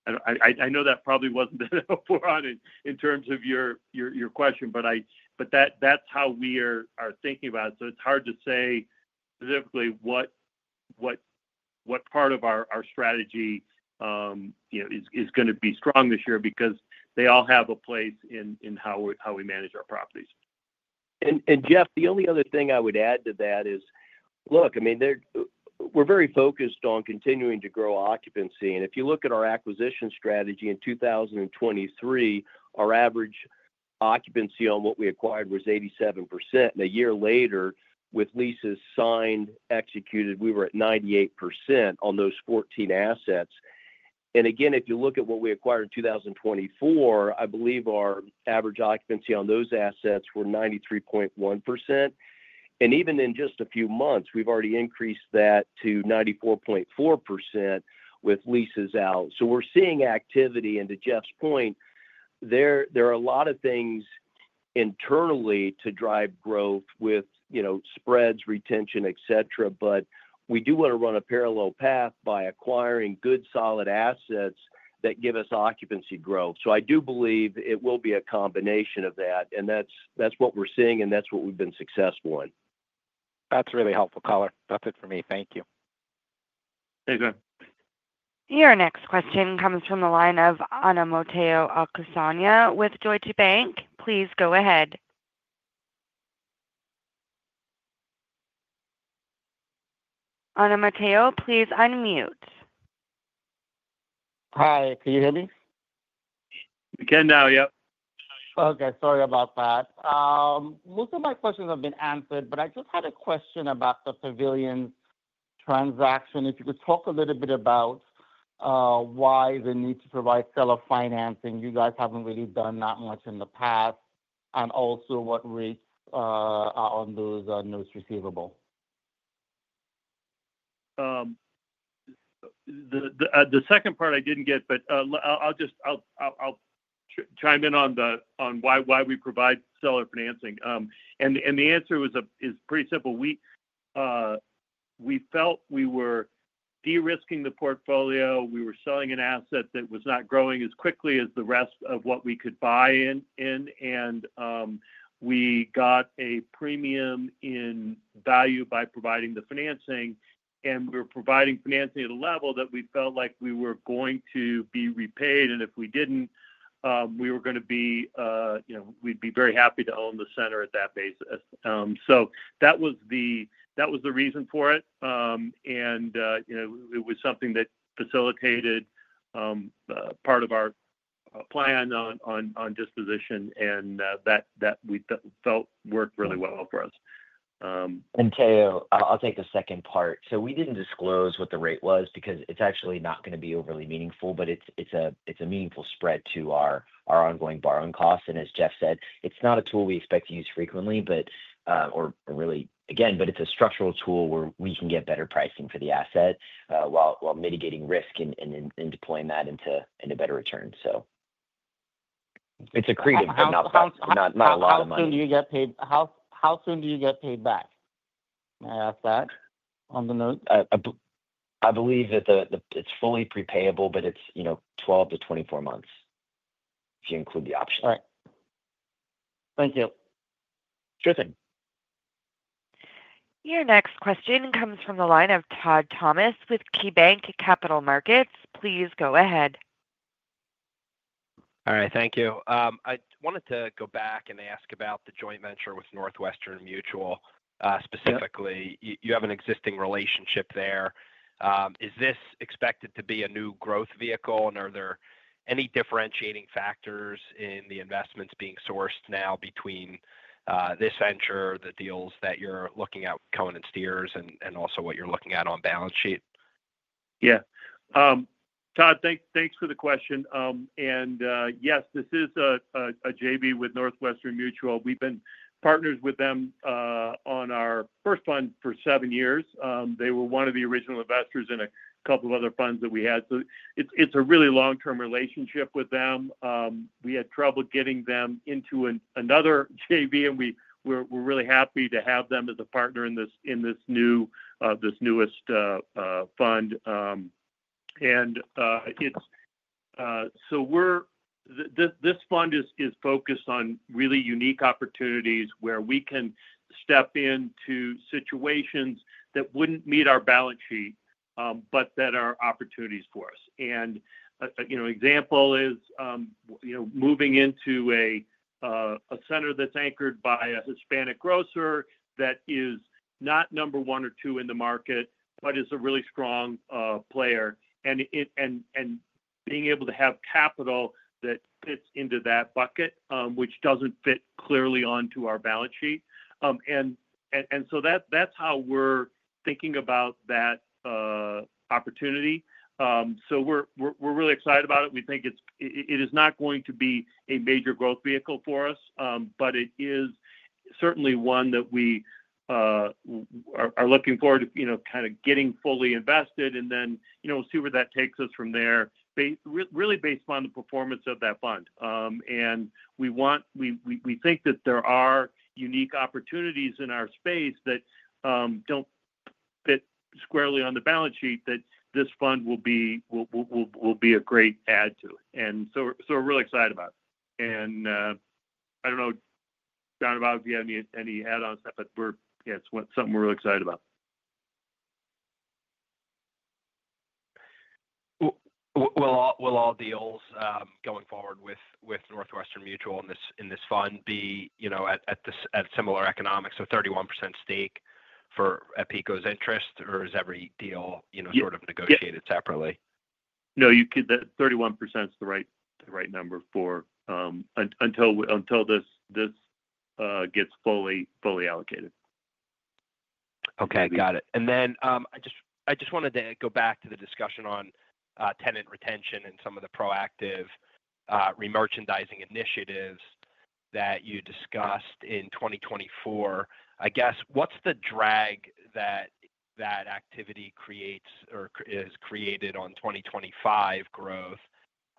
I know that probably wasn't there before on it in terms of your question, but that's how we are thinking about it, it's hard to say specifically what part of our strategy is going to be strong this year because they all have a place in how we manage our properties. Jeff, the only other thing I would add to that is, look, I mean, we're very focused on continuing to grow occupancy. If you look at our acquisition strategy in 2023, our average occupancy on what we acquired was 87%. A year later, with leases signed, executed, we were at 98% on those 14 assets. Again, if you look at what we acquired in 2024, I believe our average occupancy on those assets was 93.1%. Even in just a few months, we've already increased that to 94.4% with leases out. We're seeing activity. To Jeff's point, there are a lot of things internally to drive growth with spreads, retention, etc. We do want to run a parallel path by acquiring good solid assets that give us occupancy growth. I do believe it will be a combination of that. That's what we're seeing, and that's what we've been successful in. That's really helpful, Color. That's it for me. Thank you. Thank you. Your next question comes from the line of Omotayo Okusanya with Deutsche Bank. Please go ahead. Omotayo, please unmute. Hi. Can you hear me? You can now. Yep. Okay. Sorry about that. Most of my questions have been answered, but I just had a question about the Pavilions transaction. If you could talk a little bit about why the need to provide seller financing? You guys haven't really done that much in the past. And also, what rates are on those receivables? The second part I didn't get, but I'll chime in on why we provide seller financing, and the answer is pretty simple. We felt we were de-risking the portfolio. We were selling an asset that was not growing as quickly as the rest of what we could buy in, and we got a premium in value by providing the financing, and we were providing financing at a level that we felt like we were going to be repaid, and if we didn't, we were going to be, we'd be very happy to own the center at that basis, so that was the reason for it, and it was something that facilitated part of our plan on disposition, and that we felt worked really well for us. Tayo, I'll take the second part. So we didn't disclose what the rate was because it's actually not going to be overly meaningful, but it's a meaningful spread to our ongoing borrowing costs. And as Jeff said, it's not a tool we expect to use frequently, or really, again, but it's a structural tool where we can get better pricing for the asset while mitigating risk and deploying that into better returns. So it's a creative but not a lot of money. How soon do you get paid? How soon do you get paid back? May I ask that on the note? I believe that it's fully prepayable, but it's 12-24 months if you include the option. All right. Thank you. Sure thing. Your next question comes from the line of Todd Thomas with KeyBanc Capital Markets. Please go ahead. All right. Thank you. I wanted to go back and ask about the joint venture with Northwestern Mutual. Specifically, you have an existing relationship there. Is this expected to be a new growth vehicle? And are there any differentiating factors in the investments being sourced now between this venture, the deals that you're looking at with Cohen & Steers, and also what you're looking at on balance sheet? Yeah. Todd, thanks for the question, and yes, this is a JV with Northwestern Mutual. We've been partners with them on our first fund for seven years. They were one of the original investors in a couple of other funds that we had, so it's a really long-term relationship with them. We had trouble getting them into another JV, and we're really happy to have them as a partner in this newest fund, and so this fund is focused on really unique opportunities where we can step into situations that wouldn't meet our balance sheet, but that are opportunities for us. And an example is moving into a center that's anchored by a Hispanic grocer that is not number one or two in the market, but is a really strong player, and being able to have capital that fits into that bucket, which doesn't fit clearly onto our balance sheet. And so that's how we're thinking about that opportunity. So we're really excited about it. We think it is not going to be a major growth vehicle for us, but it is certainly one that we are looking forward to kind of getting fully invested and then see where that takes us from there, really based upon the performance of that fund. And we think that there are unique opportunities in our space that don't fit squarely on the balance sheet that this fund will be a great add to. And so we're really excited about it. And I don't know, John and Bob, if you have any add-ons, but yeah, it's something we're really excited about. Will all deals going forward with Northwestern Mutual in this fund be at similar economics of 31% stake at PECO's interest, or is every deal sort of negotiated separately? No, the 31% is the right number until this gets fully allocated. Okay. Got it. And then I just wanted to go back to the discussion on tenant retention and some of the proactive re-merchandising initiatives that you discussed in 2024. I guess, what's the drag that that activity creates or is created on 2025 growth?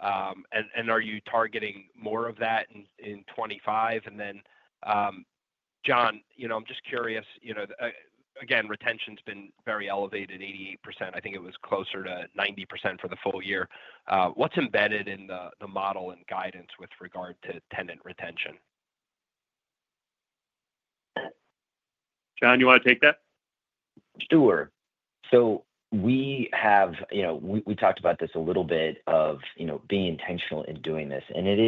And are you targeting more of that in 2025? And then, John, I'm just curious. Again, retention's been very elevated, 88%. I think it was closer to 90% for the full year. What's embedded in the model and guidance with regard to tenant retention? John, you want to take that? Sure, so we talked about this a little bit of being intentional in doing this, and it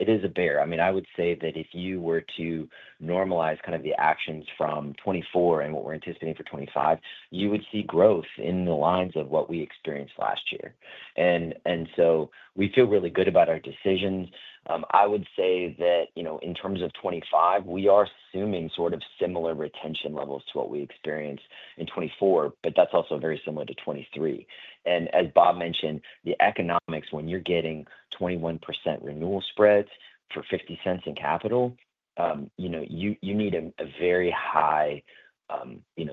is a bear. I mean, I would say that if you were to normalize kind of the actions from 2024 and what we're anticipating for 2025, you would see growth in the lines of what we experienced last year, and so we feel really good about our decisions. I would say that in terms of 2025, we are assuming sort of similar retention levels to what we experienced in 2024, but that's also very similar to 2023, and as Bob mentioned, the economics, when you're getting 21% renewal spreads for $0.50 in capital, you need a very high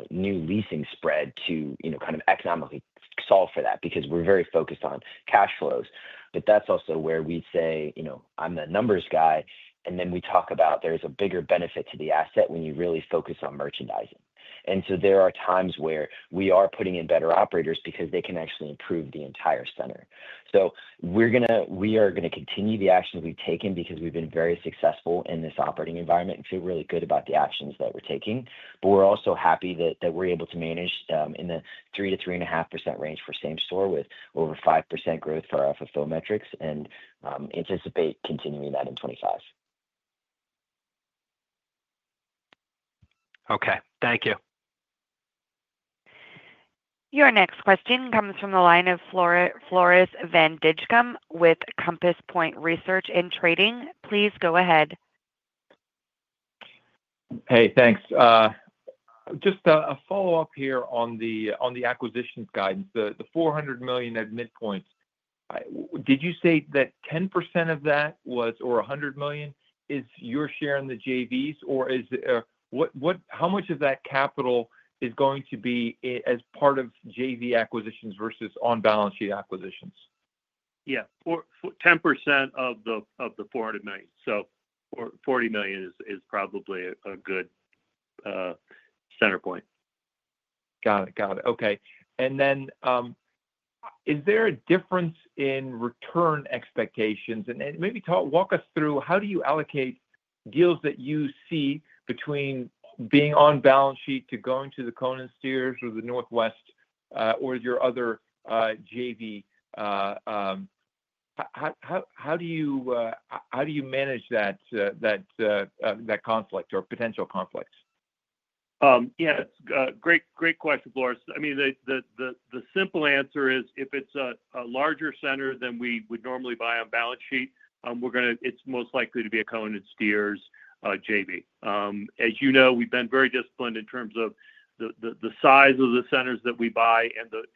new leasing spread to kind of economically solve for that because we're very focused on cash flows. But that's also where we say, "I'm the numbers guy," and then we talk about there's a bigger benefit to the asset when you really focus on merchandising. And so there are times where we are putting in better operators because they can actually improve the entire center. So we are going to continue the actions we've taken because we've been very successful in this operating environment and feel really good about the actions that we're taking. But we're also happy that we're able to manage in the 3%-3.5% range for same store with over 5% growth for our FFO metrics and anticipate continuing that in 2025. Okay. Thank you. Your next question comes from the line of Floris Van Dijkum with Compass Point Research and Trading. Please go ahead. Hey, thanks. Just a follow-up here on the acquisitions guidance. The $400 million at midpoint, did you say that 10% of that was or $100 million is your share in the JVs, or how much of that capital is going to be as part of JV acquisitions versus on-balance sheet acquisitions? Yeah. 10% of the $400 million. So $40 million is probably a good center point. Got it. Got it. Okay. And then is there a difference in return expectations? And maybe walk us through how do you allocate deals that you see between being on balance sheet to going to the Cohen & Steers or the Northwestern or your other JV? How do you manage that conflict or potential conflicts? Yeah. Great question, Floris. I mean, the simple answer is if it's a larger center than we would normally buy on balance sheet, it's most likely to be a Cohen & Steers JV. As you know, we've been very disciplined in terms of the size of the centers that we buy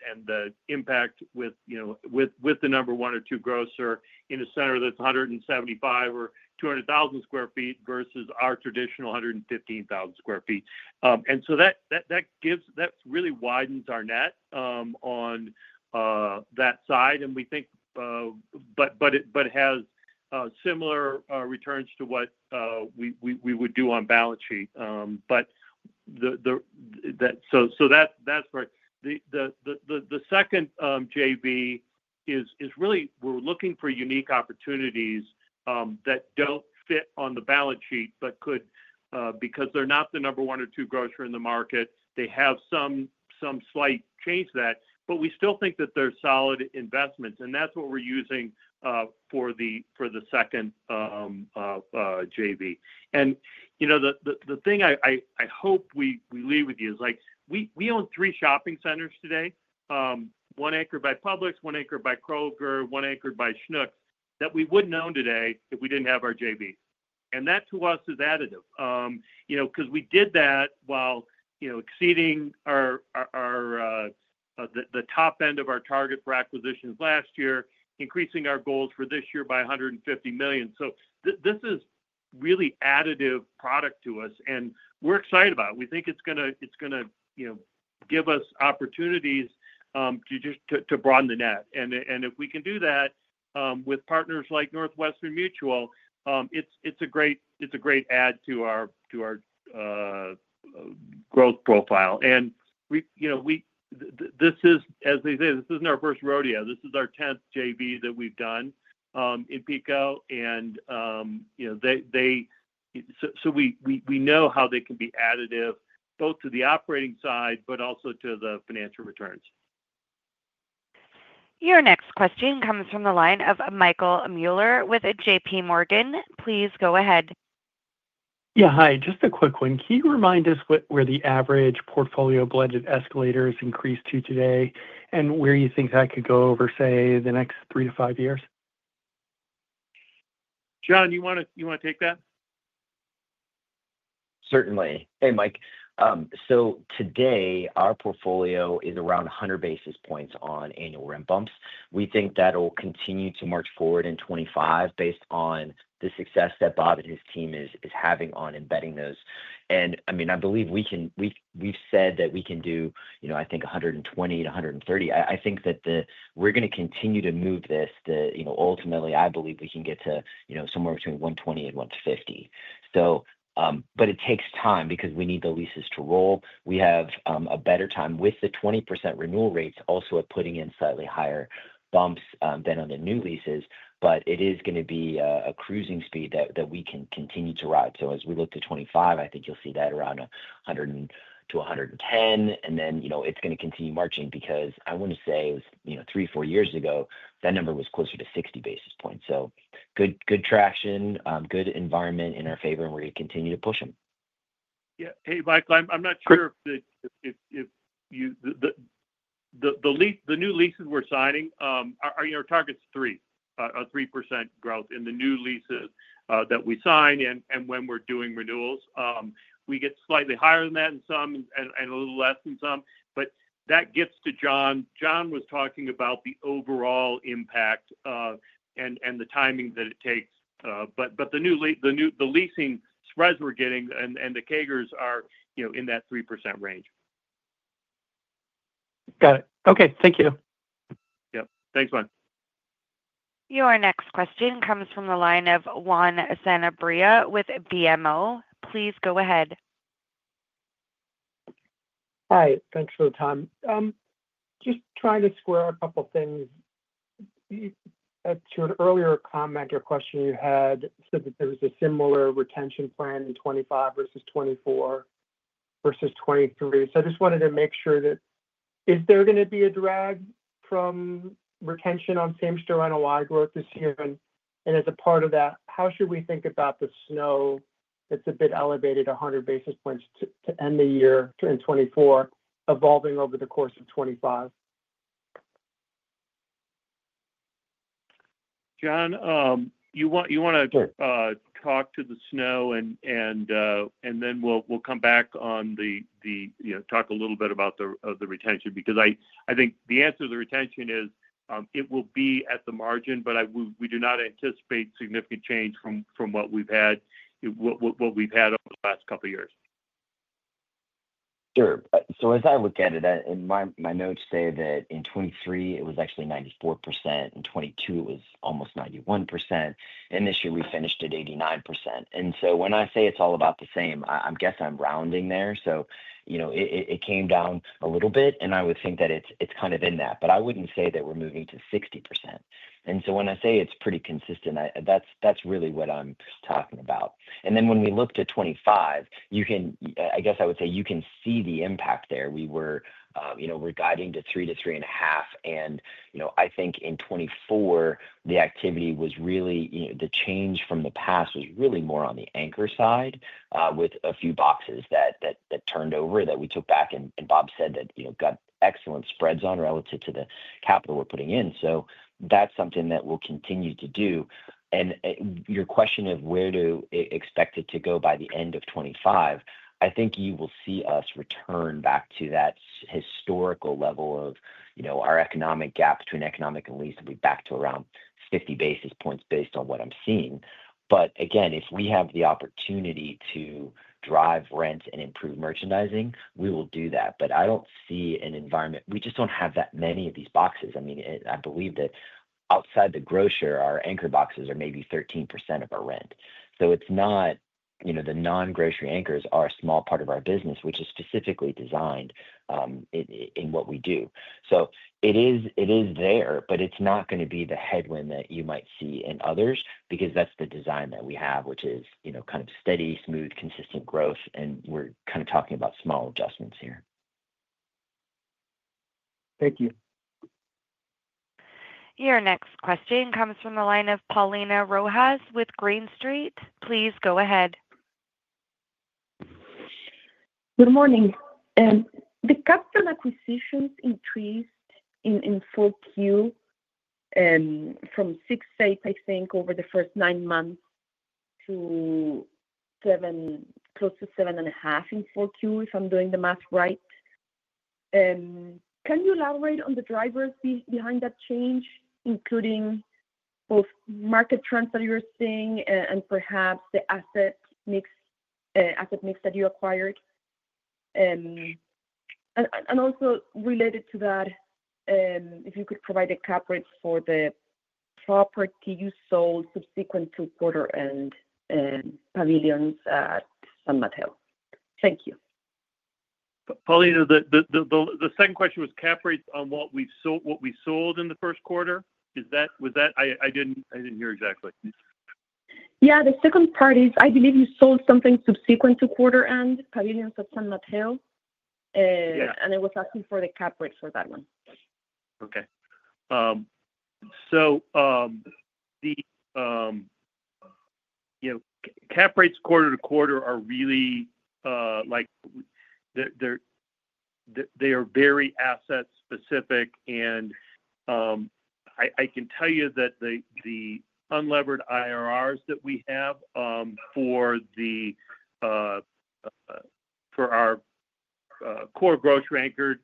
and the impact with the number one or two grocer in a center that's 175,000 or 200,000 sq ft versus our traditional 115,000 sq ft. And so that really widens our net on that side. And we think, but it has similar returns to what we would do on balance sheet. But so that's great. The second JV is really we're looking for unique opportunities that don't fit on the balance sheet, but because they're not the number one or two grocer in the market, they have some slight chance to that. But we still think that they're solid investments. And that's what we're using for the second JV. And the thing I hope we leave with you is we own three shopping centers today: one anchored by Publix, one anchored by Kroger, one anchored by Schnucks that we wouldn't own today if we didn't have our JVs. And that to us is additive because we did that while exceeding the top end of our target for acquisitions last year, increasing our goals for this year by $150 million. This is really additive product to us, and we're excited about it. We think it's going to give us opportunities to broaden the net. If we can do that with partners like Northwestern Mutual, it's a great add to our growth profile. This is, as they say, this isn't our first rodeo. This is our 10th JV that we've done in PECO. We know how they can be additive both to the operating side, but also to the financial returns. Your next question comes from the line of Michael Mueller with J.P. Morgan. Please go ahead. Yeah. Hi. Just a quick one. Can you remind us where the average portfolio blended escalators increased to today and where you think that could go over, say, the next three to five years? John, you want to take that? Certainly. Hey, Mike. So today, our portfolio is around 100 basis points on annual rent bumps. We think that'll continue to march forward in 2025 based on the success that Bob and his team is having on embedding those. And I mean, I believe we've said that we can do, I think, 120-130. I think that we're going to continue to move this. Ultimately, I believe we can get to somewhere between 120 and 150. But it takes time because we need the leases to roll. We have a better time with the 20% renewal rates also at putting in slightly higher bumps than on the new leases, but it is going to be a cruising speed that we can continue to ride. So as we look to 2025, I think you'll see that around 100-110. Then it's going to continue marching because I want to say it was three, four years ago, that number was closer to 60 basis points, so good traction, good environment in our favor where we continue to push them. Yeah. Hey, Mike, I'm not sure if the new leases we're signing target 3% growth in the new leases that we sign. And when we're doing renewals, we get slightly higher than that in some and a little less in some. But that gets to John. John was talking about the overall impact and the timing that it takes. But the leasing spreads we're getting and the CAGRs are in that 3% range. Got it. Okay. Thank you. Yep. Thanks, bud. Your next question comes from the line of Juan Sanabria with BMO. Please go ahead. Hi. Thanks for the time. Just trying to square a couple of things. To an earlier comment, your question you had said that there was a similar retention plan in 2025 versus 2024 versus 2023. So I just wanted to make sure that is there going to be a drag from retention on same-store NOI growth this year? And as a part of that, how should we think about the SNO that's a bit elevated, 100 basis points to end the year in 2024, evolving over the course of 2025? John, you want to talk to the SNO, and then we'll come back on the talk a little bit about the retention because I think the answer to the retention is it will be at the margin, but we do not anticipate significant change from what we've had over the last couple of years. Sure. So as I look at it, my notes say that in 2023, it was actually 94%. In 2022, it was almost 91%. And this year, we finished at 89%. And so when I say it's all about the same, I'm guessing I'm rounding there. So it came down a little bit, and I would think that it's kind of in that. But I wouldn't say that we're moving to 60%. And so when I say it's pretty consistent, that's really what I'm talking about. And then when we look to 2025, I guess I would say you can see the impact there. We were guiding to 3%-3.5%. And I think in 2024, the activity was really the change from the past was really more on the anchor side with a few boxes that turned over that we took back. Bob said that got excellent spreads on relative to the capital we're putting in. That's something that we'll continue to do. Your question of where to expect it to go by the end of 2025, I think you will see us return back to that historical level of our economic gap between economic and lease. We're back to around 50 basis points based on what I'm seeing. Again, if we have the opportunity to drive rent and improve merchandising, we will do that. I don't see an environment we just don't have that many of these boxes. I mean, I believe that outside the grocer, our anchor boxes are maybe 13% of our rent. It's not the non-grocery anchors are a small part of our business, which is specifically designed in what we do. So it is there, but it's not going to be the headwind that you might see in others because that's the design that we have, which is kind of steady, smooth, consistent growth. And we're kind of talking about small adjustments here. Thank you. Your next question comes from the line of Paulina Rojas with Green Street. Please go ahead. Good morning. The capital acquisitions increased in 4Q from 6, I think, over the first nine months to close to 7.5 in 4Q, if I'm doing the math right. Can you elaborate on the drivers behind that change, including both market trends that you're seeing and perhaps the asset mix that you acquired? And also related to that, if you could provide a cap rate for the property you sold subsequent to quarter-end, Pavilions at San Mateo? Thank you. Paulina, the second question was cap rates on what we sold in the first quarter. I didn't hear exactly. Yeah. The second part is I believe you sold something subsequent to quarter-end, Pavilions at San Mateo. And I was asking for the cap rates for that one. Okay. Cap rates quarter to quarter are really very asset-specific. I can tell you that the unlevered IRRs that we have for our core grocery anchored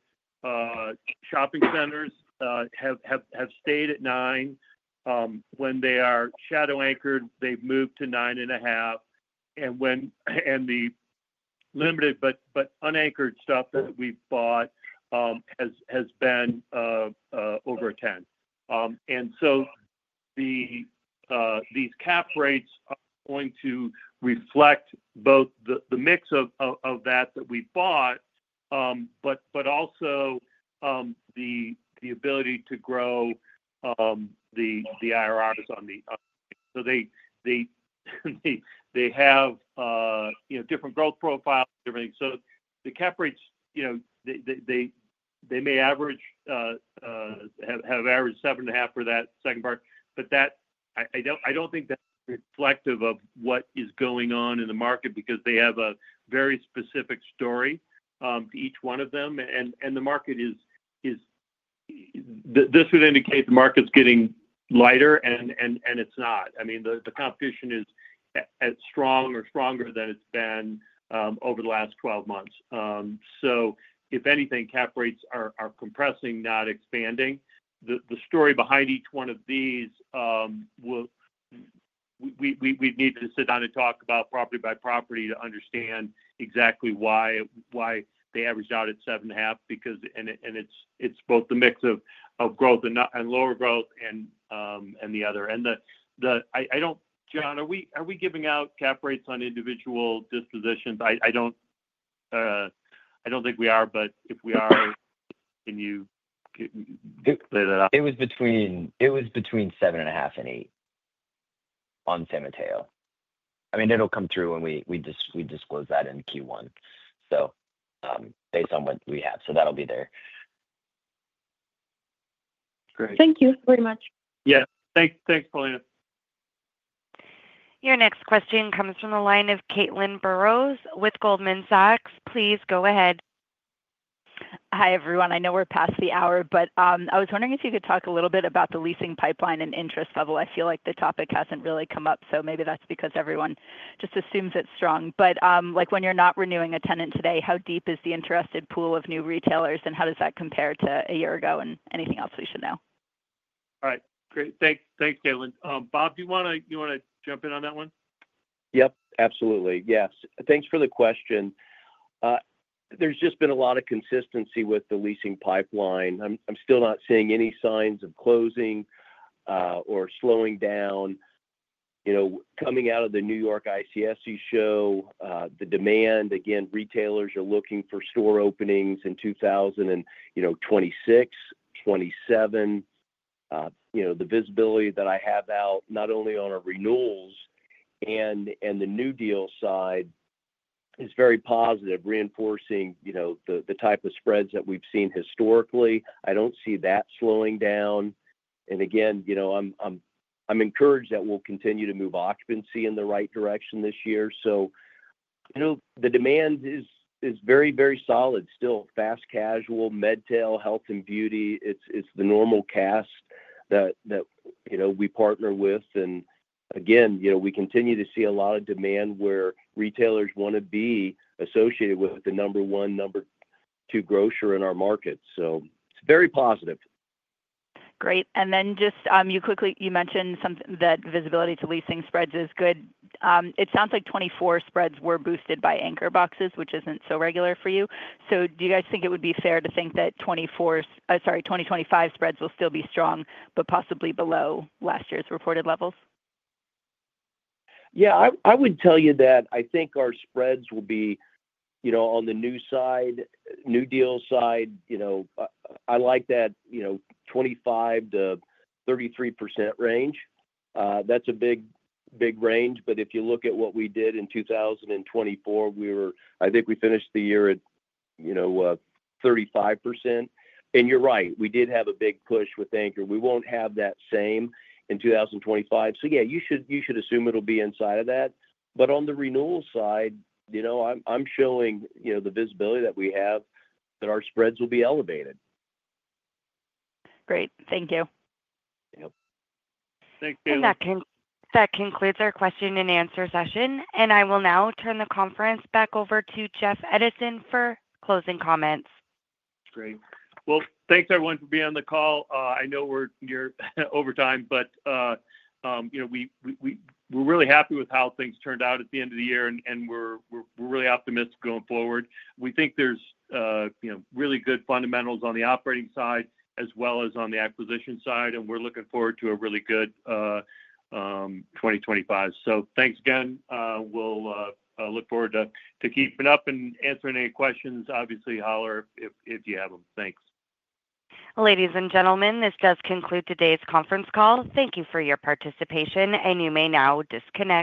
shopping centers have stayed at 9%. When they are shadow anchored, they've moved to 9.5%. The limited but unanchored stuff that we've bought has been over 10%. These cap rates are going to reflect both the mix of that we bought, but also the ability to grow the IRRs on them. They have different growth profiles, different things. The cap rates may have averaged 7.5% for that second part. I don't think that's reflective of what is going on in the market because they have a very specific story to each one of them. This would indicate the market's getting lighter, and it's not. I mean, the competition is strong or stronger than it's been over the last 12 months. So if anything, cap rates are compressing, not expanding. The story behind each one of these we'd need to sit down and talk about property by property to understand exactly why they averaged out at 7.5 because it's both the mix of growth and lower growth and the other. And I don't, John, are we giving out cap rates on individual dispositions? I don't think we are. But if we are, can you lay that out? It was between 7.5% and 8% on San Mateo. I mean, it'll come through when we disclose that in Q1, so based on what we have. So that'll be there. Great. Thank you very much. Yeah. Thanks, Paulina. Your next question comes from the line of Caitlin Burrows with Goldman Sachs. Please go ahead. Hi, everyone. I know we're past the hour, but I was wondering if you could talk a little bit about the leasing pipeline and interest level. I feel like the topic hasn't really come up, so maybe that's because everyone just assumes it's strong. But when you're not renewing a tenant today, how deep is the interested pool of new retailers, and how does that compare to a year ago? And anything else we should know? All right. Great. Thanks, Caitlin. Bob, do you want to jump in on that one? Yep. Absolutely. Yes. Thanks for the question. There's just been a lot of consistency with the leasing pipeline. I'm still not seeing any signs of closing or slowing down. Coming out of the New York ICSC show, the demand, again, retailers are looking for store openings in 2026, 2027. The visibility that I have out, not only on our renewals and the new deal side, is very positive, reinforcing the type of spreads that we've seen historically. I don't see that slowing down. And again, I'm encouraged that we'll continue to move occupancy in the right direction this year. So the demand is very, very solid still. Fast casual, MedTail, health, and beauty. It's the normal cast that we partner with. And again, we continue to see a lot of demand where retailers want to be associated with the number one, number two grocer in our market. It's very positive. Great. And then just you quickly mentioned that visibility to leasing spreads is good. It sounds like 2024 spreads were boosted by anchor boxes, which isn't so regular for you. So do you guys think it would be fair to think that 2024 sorry, 2025 spreads will still be strong, but possibly below last year's reported levels? Yeah. I would tell you that I think our spreads will be on the new side, new deal side. I like that 25%-33% range. That's a big range. But if you look at what we did in 2024, I think we finished the year at 35%. And you're right. We did have a big push with anchor. We won't have that same in 2025. So yeah, you should assume it'll be inside of that. But on the renewal side, I'm showing the visibility that we have that our spreads will be elevated. Great. Thank you. Yep. Thank you. That concludes our question and answer session, and I will now turn the conference back over to Jeff Edison for closing comments. Great. Well, thanks, everyone, for being on the call. I know we're over time, but we're really happy with how things turned out at the end of the year, and we're really optimistic going forward. We think there's really good fundamentals on the operating side as well as on the acquisition side. And we're looking forward to a really good 2025. So thanks again. We'll look forward to keeping up and answering any questions, obviously, operator, if you have them. Thanks. Ladies and gentlemen, this does conclude today's conference call. Thank you for your participation, and you may now disconnect.